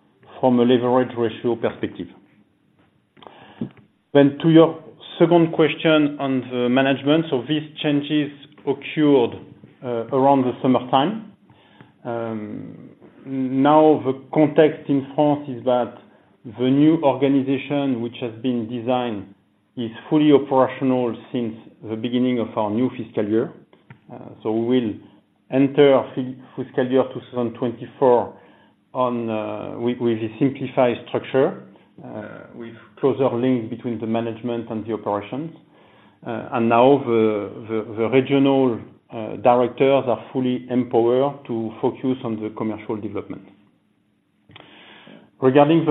a leverage ratio perspective. Then to your second question on the management, so these changes occurred around the summertime. Now, the context in France is that the new organization, which has been designed, is fully operational since the beginning of our new fiscal year. So we will enter fiscal year 2024 with a simplified structure, with closer link between the management and the operations. And now the regional directors are fully empowered to focus on the commercial development. Regarding the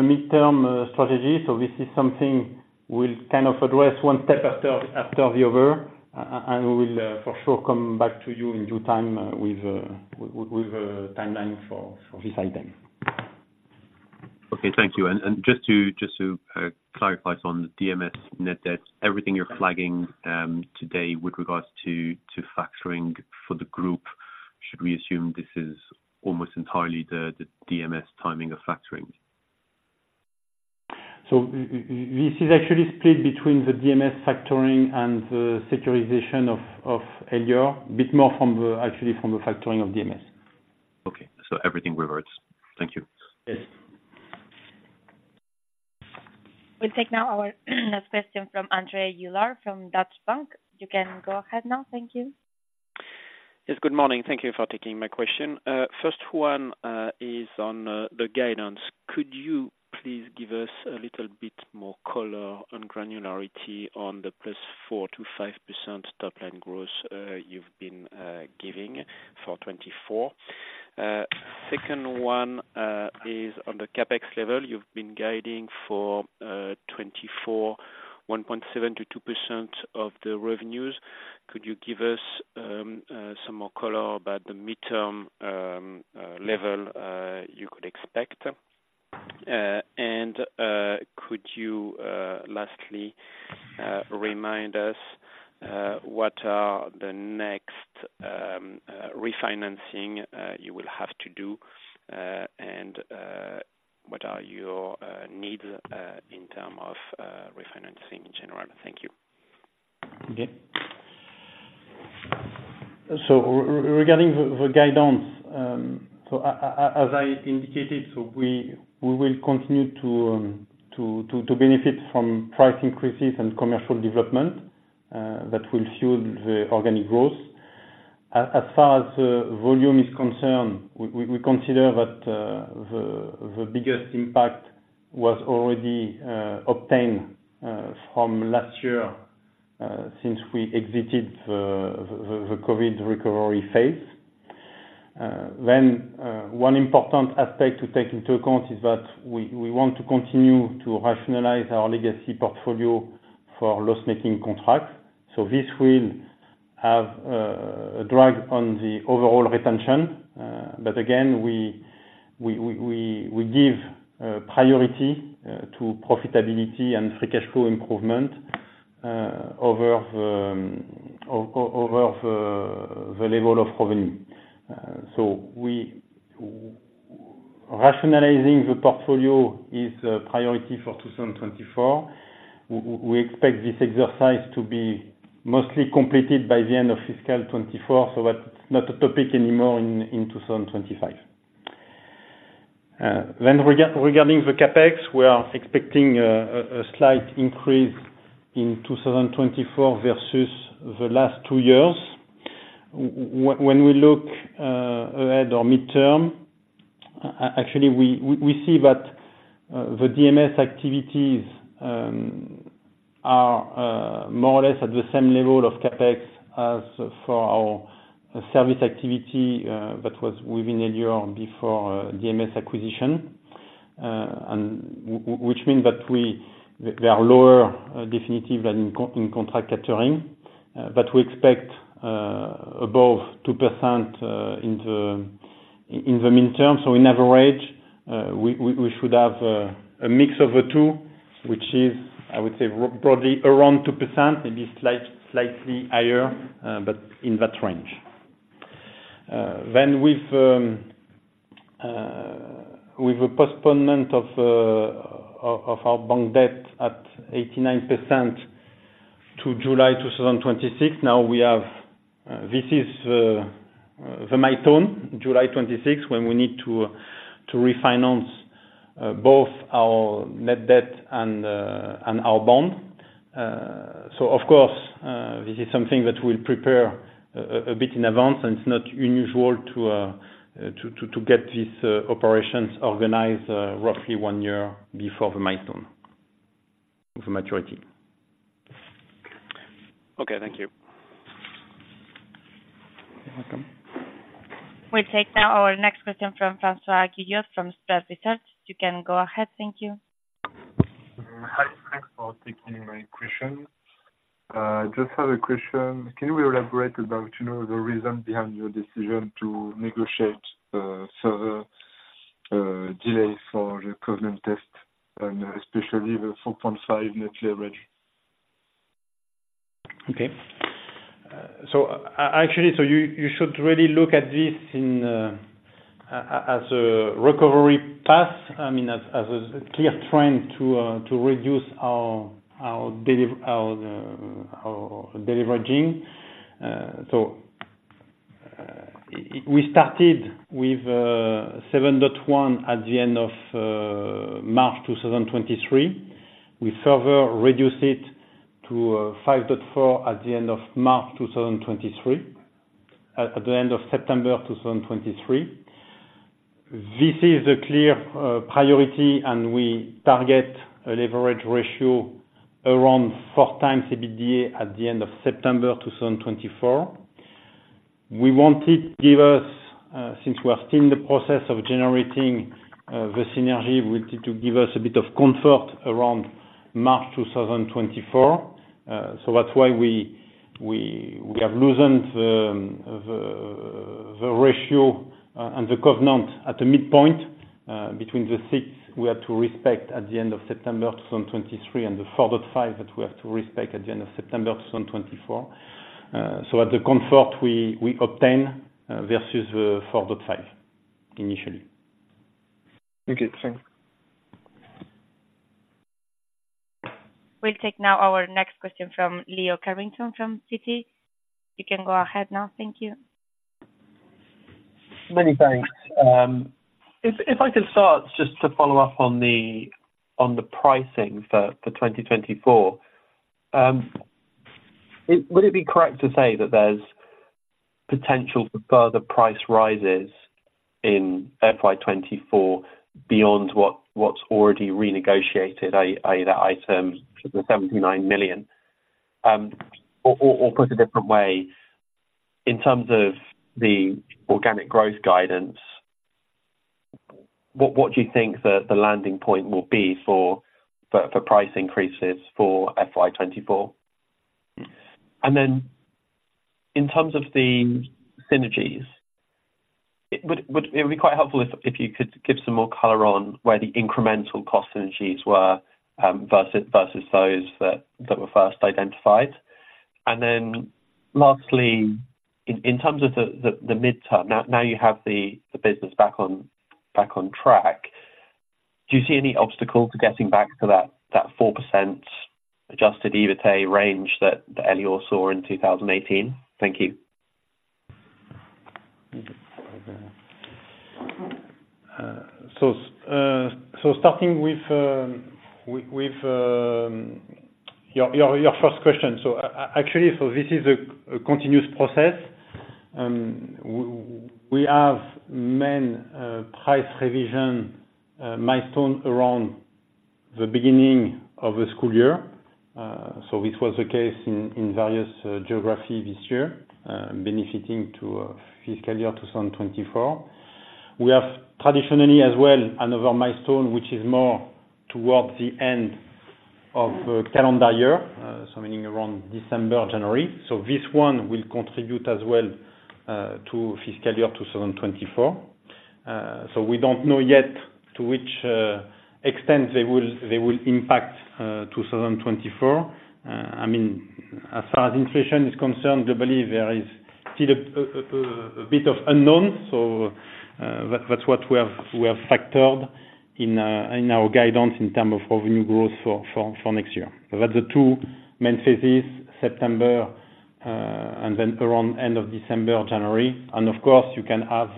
midterm strategy, so this is something we'll kind of address one step after the other. And we will for sure come back to you in due time with a timeline for this item. Thank you. Just to clarify on the DMS net debt, everything you're flagging today with regards to factoring for the group, should we assume this is almost entirely the DMS timing of factoring? This is actually split between the DMS factoring and the securitization of Elior, a bit more from the factoring of DMS. Okay, so everything reverts. Thank you. Yes. We'll take now our next question from Andre Euler from Deutsche Bank. You can go ahead now. Thank you. Yes, good morning. Thank you for taking my question. First one is on the guidance. Could you please give us a little bit more color on granularity on the plus 4% to 5% top line growth you've been giving for '24? Second one is on the CapEx level. You've been guiding for '24, 1.7% to 2% of the revenues. Could you give us some more color about the midterm level you could expect? And could you lastly remind us what are the next refinancing you will have to do, and what are your needs in terms of refinancing in general? Thank you. Regarding the guidance, as I indicated, we will continue to benefit from price increases and commercial development that will fuel the organic growth. As far as the volume is concerned, we consider that the biggest impact was already obtained from last year since we exited the COVID recovery phase. Then, one important aspect to take into account is that we want to continue to rationalize our legacy portfolio for loss-making contracts. This will have a drag on the overall retention, but again, we give priority to profitability and free cash flow improvement over the level of revenue. Rationalizing the portfolio is a priority for 2024. We expect this exercise to be mostly completed by the end of fiscal '24, so that's not a topic anymore in 2025. Then regarding the CapEx, we are expecting a slight increase in 2024 versus the last two years. When we look ahead or midterm, actually, we see that the DMS activities are more or less at the same level of CapEx as for our service activity that was within Elior before DMS acquisition. Which mean that they are lower, definitely than in contract catering, but we expect above 2% in the midterm. On average, we should have a mix of the two, which is, I would say, probably around 2%, maybe slightly higher, but in that range. Then with the postponement of our bank debt at 89% to July 2026, now we have this milestone, July '26, when we need to refinance both our net debt and our bond. Of course, this is something that we'll prepare a bit in advance, and it's not unusual to get these operations organized roughly one year before the milestone... the maturity. Okay, thank you. You're welcome. We'll take now our next question from Francois Guillaud from Strat Research. You can go ahead. Thank you. Hi, thanks for taking my question. I just have a question. Can you elaborate about the reason behind your decision to negotiate further delays for the covenant test, and especially the 4.5 net leverage? Actually, you should really look at this as a recovery path, I mean, as a clear trend to reduce our deleveraging. We started with 7.1 at the end of March 2023. We further reduced it to 5.4 at the end of September 2023. This is a clear priority, and we target a leverage ratio around four times EBITDA at the end of September 2024. We want to give us, since we are still in the process of generating the synergy, we need to give us a bit of comfort around March 2024. So that's why we have loosened the ratio and the covenant at the midpoint between the 6 we had to respect at the end of September 2023, and the 4.5 that we have to respect at the end of September 2024. So at the comfort we obtain versus the 4.5 initially. Okay, thanks. We'll take now our next question from Leo Carrington, from City. You can go ahead now. Thank you. Many thanks. If I could start just to follow up on the pricing for 2024, would it be correct to say that there's potential for further price rises in FY 2024, beyond what's already renegotiated, i.e., the $79 million? Or put a different way, in terms of the organic growth guidance, what do you think the landing point will be for price increases for FY 2024? And then, in terms of the synergies, it would be quite helpful if you could give some more color on where the incremental cost synergies were versus those that were first identified. Lastly, in terms of the midterm, now you have the business back on track, do you see any obstacle to getting back to that 4% adjusted EBITDA range that Elior saw in 2018? Thank you. Starting with your first question, actually, this is a continuous process. We have many price revision milestones around the beginning of the school year. This was the case in various geographies this year, benefiting fiscal year 2024. We have traditionally as well another milestone, which is more towards the end of the calendar year, meaning around December, January. This one will contribute as well to fiscal year 2024. We don't know yet to which extent they will impact 2024. I mean, as far as inflation is concerned, globally, there is still a bit of unknown. That's what we have, we have factored in, in our guidance in terms of revenue growth for next year. But the two main phases, September, and then around end of December or January, and of course, you can have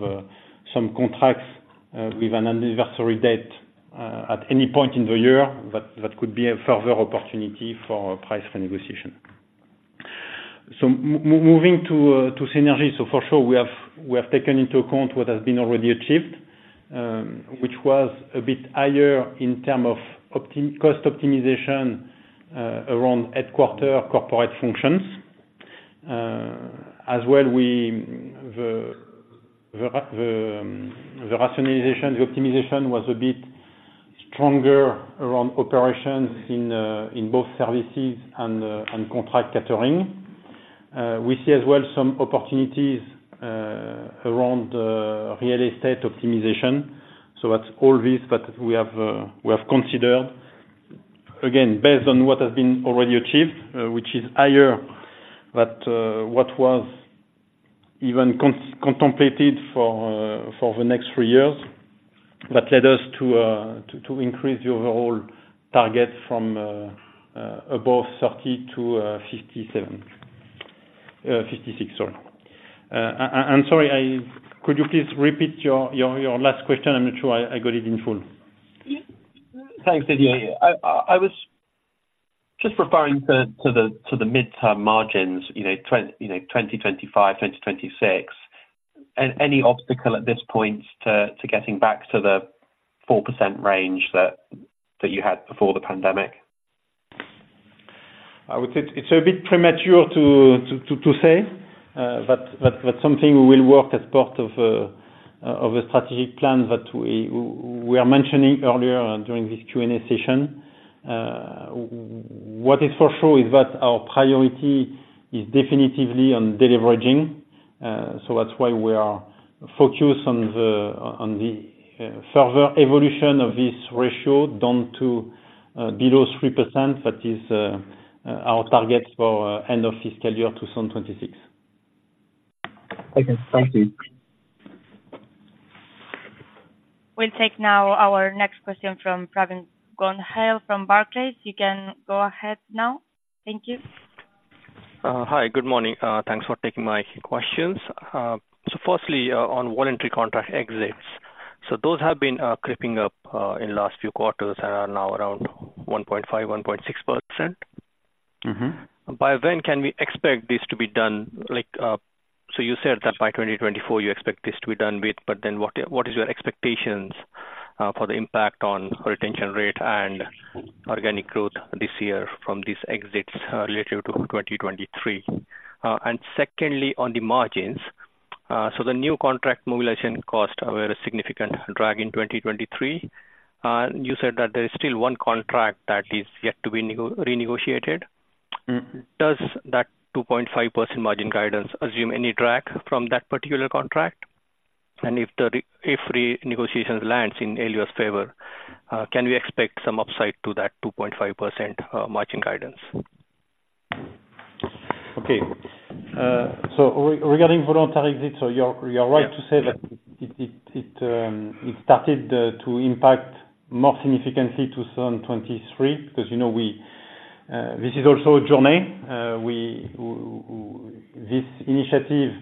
some contracts with an anniversary date at any point in the year, that could be a further opportunity for price negotiation. Moving to synergy. For sure, we have taken into account what has been already achieved, which was a bit higher in term of cost optimization around headquarter corporate functions. As well, the rationalization, the optimization was a bit stronger around operations in both services and contract catering. We see as well some opportunities around real estate optimization. So that's all this that we have considered, again, based on what has been already achieved, which is higher than what was even contemplated for the next three years. That led us to increase the overall target from above thirty to fifty-six. I'm sorry, could you please repeat your last question? I'm not sure I got it in full. Thanks, Didier. I was just referring to the midterm margins, you know, 2025, 2026, and any obstacle at this point to getting back to the 4% range that you had before the pandemic. I would say it's a bit premature to say, but that's something we will work as part of a strategic plan that we are mentioning earlier on during this Q&A session. What is for sure is that our priority is definitively on deleveraging. So that's why we are focused on the further evolution of this ratio, down to below 3%. That is our target for end of fiscal year 2026. Okay. Thank you. We'll take now our next question from Pravin Gonheil from Barclays. You can go ahead now. Thank you. Hi, good morning. Thanks for taking my questions. So firstly, on voluntary contract exits. So those have been creeping up in last few quarters and are now around 1.5%, 1.6%. Mm-hmm. By when can we expect this to be done? Like, so you said that by 2024, you expect this to be done with, but then what, what is your expectations for the impact on retention rate and organic growth this year from these exits related to 2023? And secondly, on the margins, so the new contract mobilization costs were a significant drag in 2023. You said that there is still one contract that is yet to be renegotiated. Mm-hmm. Does that 2.5% margin guidance assume any drag from that particular contract? And if the negotiations land in Elior's favor, can we expect some upside to that 2.5% margin guidance? Regarding voluntary exits, you're right to say that it started to impact more significantly 2023, because, you know, this is also a journey. This initiative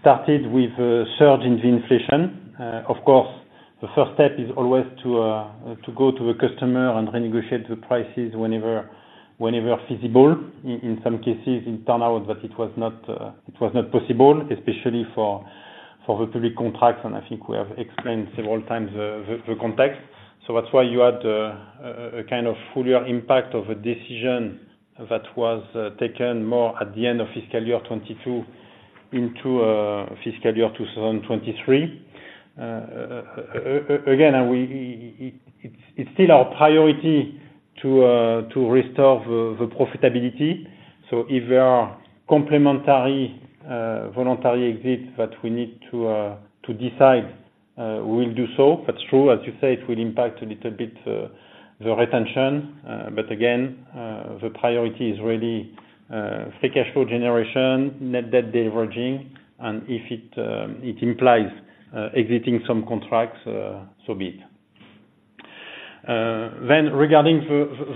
started with a surge in the inflation. Of course, the first step is always to go to the customer and renegotiate the prices whenever feasible. In some cases, it turned out that it was not possible, especially for the public contracts, and I think we have explained several times the context. That's why you had a kind of fuller impact of a decision that was taken more at the end of fiscal year 2022 into fiscal year 2023. Again, it's still our priority to restore the profitability. So if there are complementary voluntary exits that we need to decide, we'll do so. That's true. As you say, it will impact a little bit the retention. But again, the priority is really free cash flow generation, net debt de-leveraging, and if it implies exiting some contracts, so be it. Then regarding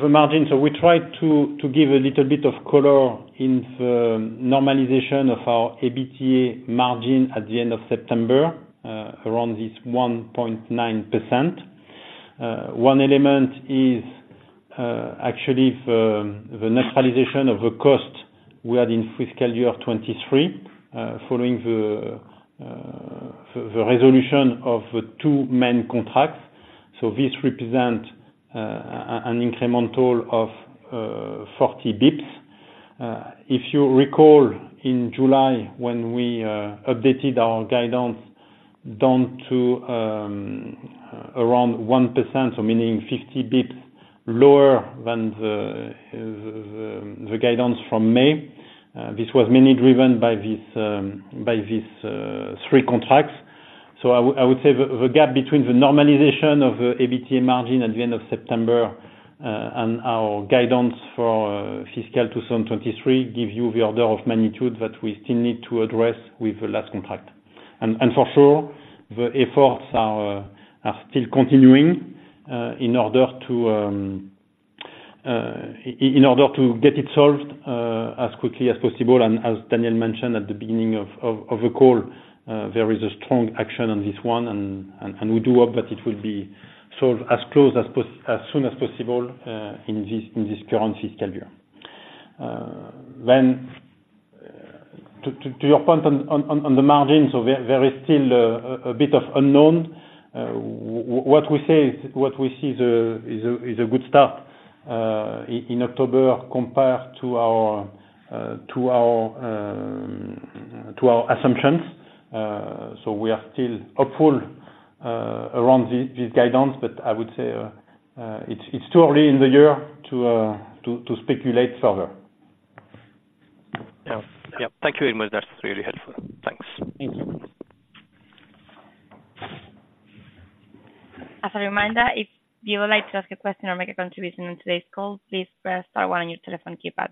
the margin, so we tried to give a little bit of color in the normalization of our EBITDA margin at the end of September, around this 1.9%. One element is actually the naturalization of the cost we had in fiscal year 2023, following the resolution of the two main contracts. This represents an incremental of 40 basis points. If you recall, in July, when we updated our guidance down to around 1%, meaning 50 basis points lower than the guidance from May, this was mainly driven by these three contracts. I would say the gap between the normalization of the ABTA margin at the end of September and our guidance for fiscal 2023 gives you the order of magnitude that we still need to address with the last contract. For sure, the efforts are still continuing in order to get it solved as quickly as possible. As Daniel mentioned at the beginning of the call, there is a strong action on this one, and we do hope that it will be solved as soon as possible in this current fiscal year. Then, to your point on the margins, there is still a bit of unknown. What we say is, what we see is a good start in October, compared to our assumptions. So we are still hopeful around this guidance, but I would say it's too early in the year to speculate further. Yeah. Yeah. Thank you very much. That's really helpful. Thanks. Thanks. As a reminder, if you would like to ask a question or make a contribution on today's call, please press star one on your telephone keypad.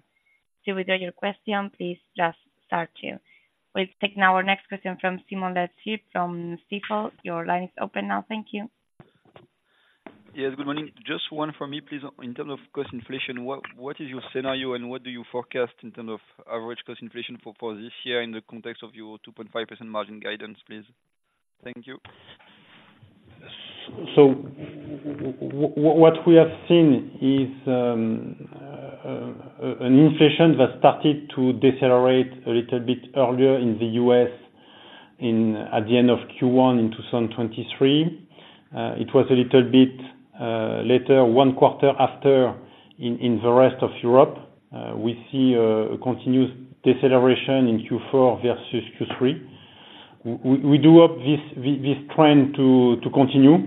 To withdraw your question, please press star two. We now take our next question from Simon Letzi from SECO. Your line is open now. Thank you. Yes, good morning. Just one for me, please. In terms of cost inflation, what is your scenario, and what do you forecast in terms of average cost inflation for this year in the context of your 2.5% margin guidance, please? Thank you. What we have seen is an inflation that started to decelerate a little bit earlier in the US at the end of Q1 in 2023. It was a little bit later, one quarter after, in the rest of Europe. We see a continuous deceleration in Q4 versus Q3. We do hope this trend to continue,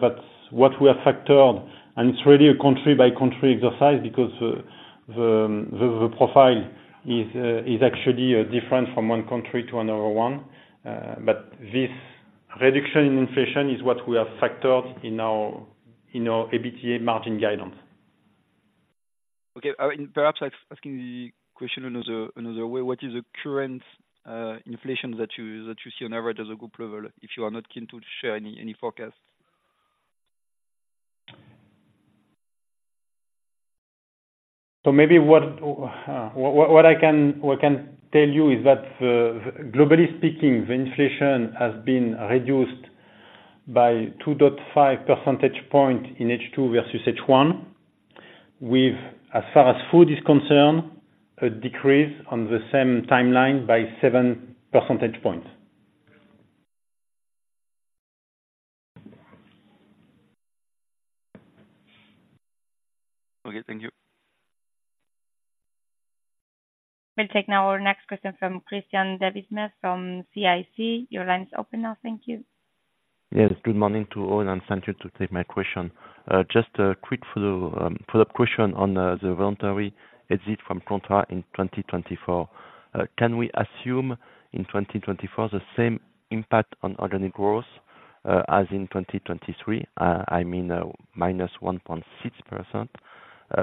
but what we have factored, and it's really a country-by-country exercise, because the profile is actually different from one country to another one. But this reduction in inflation is what we have factored in our ABTA margin guidance. Okay. Perhaps asking the question another way, what is the current inflation that you see on average as a group level, if you are not keen to share any forecast? Maybe what I can tell you is that globally speaking, the inflation has been reduced by 2.5 percentage points in H2 versus H1, with, as far as food is concerned, a decrease on the same timeline by 7 percentage points. Okay, thank you. We'll take now our next question from Christian David Smith from CIC. Your line is open now. Thank you. Yes, good morning to all, and thank you for taking my question. Just a quick follow-up question on the voluntary exit from contract in 2024. Can we assume in 2024, the same impact on organic growth as in 2023? I mean, minus 1.6%.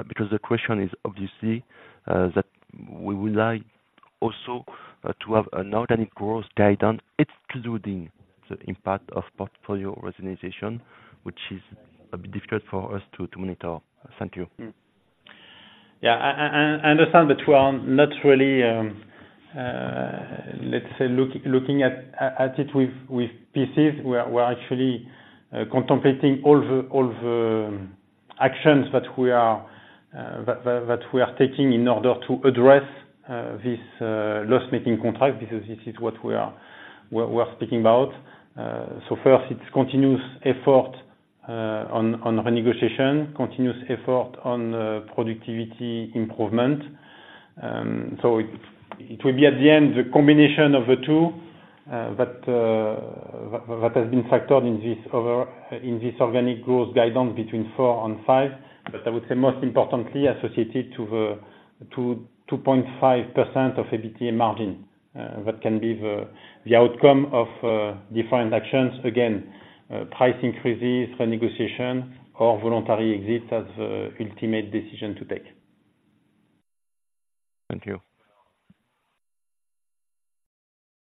Because the question is obviously that we would like also to have an organic growth guidance, excluding the impact of portfolio optimization, which is a bit difficult for us to monitor. Thank you. I understand that we are not really looking at it with pieces. We are actually contemplating all the actions that we are taking in order to address this loss making contract, because this is what we are speaking about. So first, it's continuous effort on renegotiation, continuous effort on productivity improvement. So it will be at the end, the combination of the two that has been factored in this organic growth guidance between 4% and 5%. But I would say most importantly, associated to the 2.5% of EBITDA margin that can be the outcome of different actions. Again, price increases, renegotiation, or voluntary exits as the ultimate decision to take. Thank you.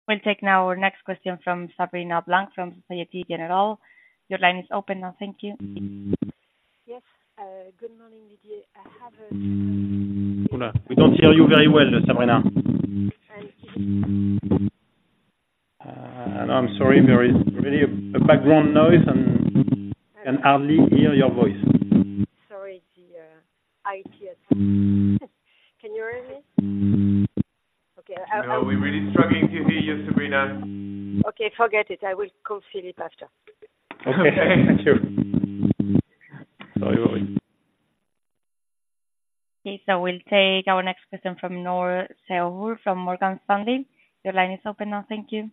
We'll take now our next question from Sabrina Blank, from Societe Generale. Your line is open now. Thank you. Yes. Good morning, Didier. I have a- Hola. We don't hear you very well, Sabrina. I... I'm sorry, there is really a background noise and can hardly hear your voice. Sorry, the IT. Can you hear me? Okay, I... No, we're really struggling to hear you, Sabrina. Okay, forget it. I will call Philip after. Okay, thank you. Sorry about it. Okay, so we'll take our next question from Nora Sehol from Morgan Stanley. Your line is open now. Thank you.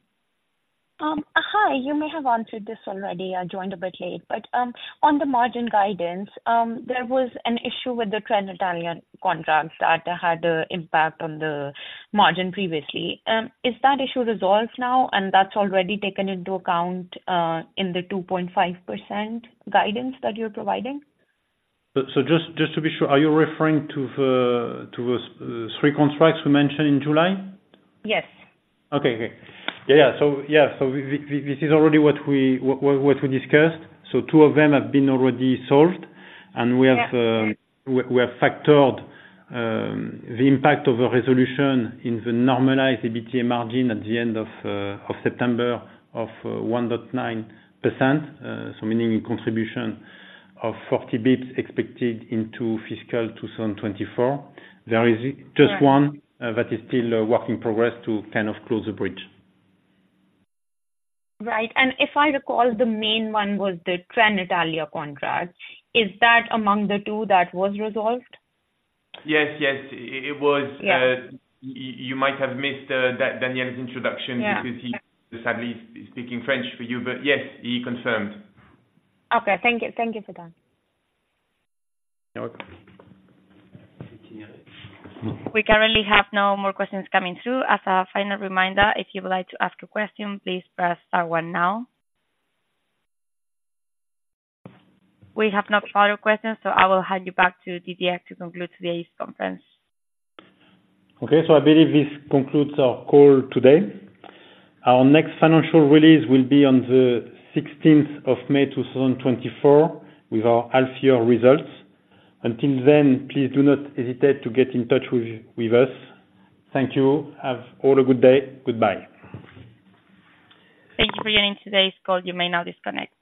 Hi, you may have answered this already. I joined a bit late, but on the margin guidance, there was an issue with the Trenitalia contract that had an impact on the margin previously. Is that issue resolved now, and that's already taken into account in the 2.5% guidance that you're providing? Just to be sure, are you referring to the three contracts we mentioned in July? Yes. So this is already what we discussed. Two of them have been already solved, and we have Yeah We have factored the impact of the resolution in the normalized EBITDA margin at the end of September of 1.9%. So meaning contribution of 40 bps expected into fiscal 2024. There is- Right. Just one that is still a work in progress to kind of close the bridge. Right. And if I recall, the main one was the Trenitalia contract. Is that among the two that was resolved? Yes, yes, it was. Yeah. You might have missed that Daniel's introduction. Yeah Because he sadly is speaking French for you, but yes, he confirmed. Okay. Thank you. Thank you for that. You're welcome. We currently have no more questions coming through. As a final reminder, if you would like to ask a question, please press star one now. We have no further questions, so I will hand you back to Didier to conclude today's conference. Okay, so I believe this concludes our call today. Our next financial release will be on the 16th of May 2024, with our half year results. Until then, please do not hesitate to get in touch with us. Thank you. Have all a good day. Goodbye. Thank you for joining today's call. You may now disconnect.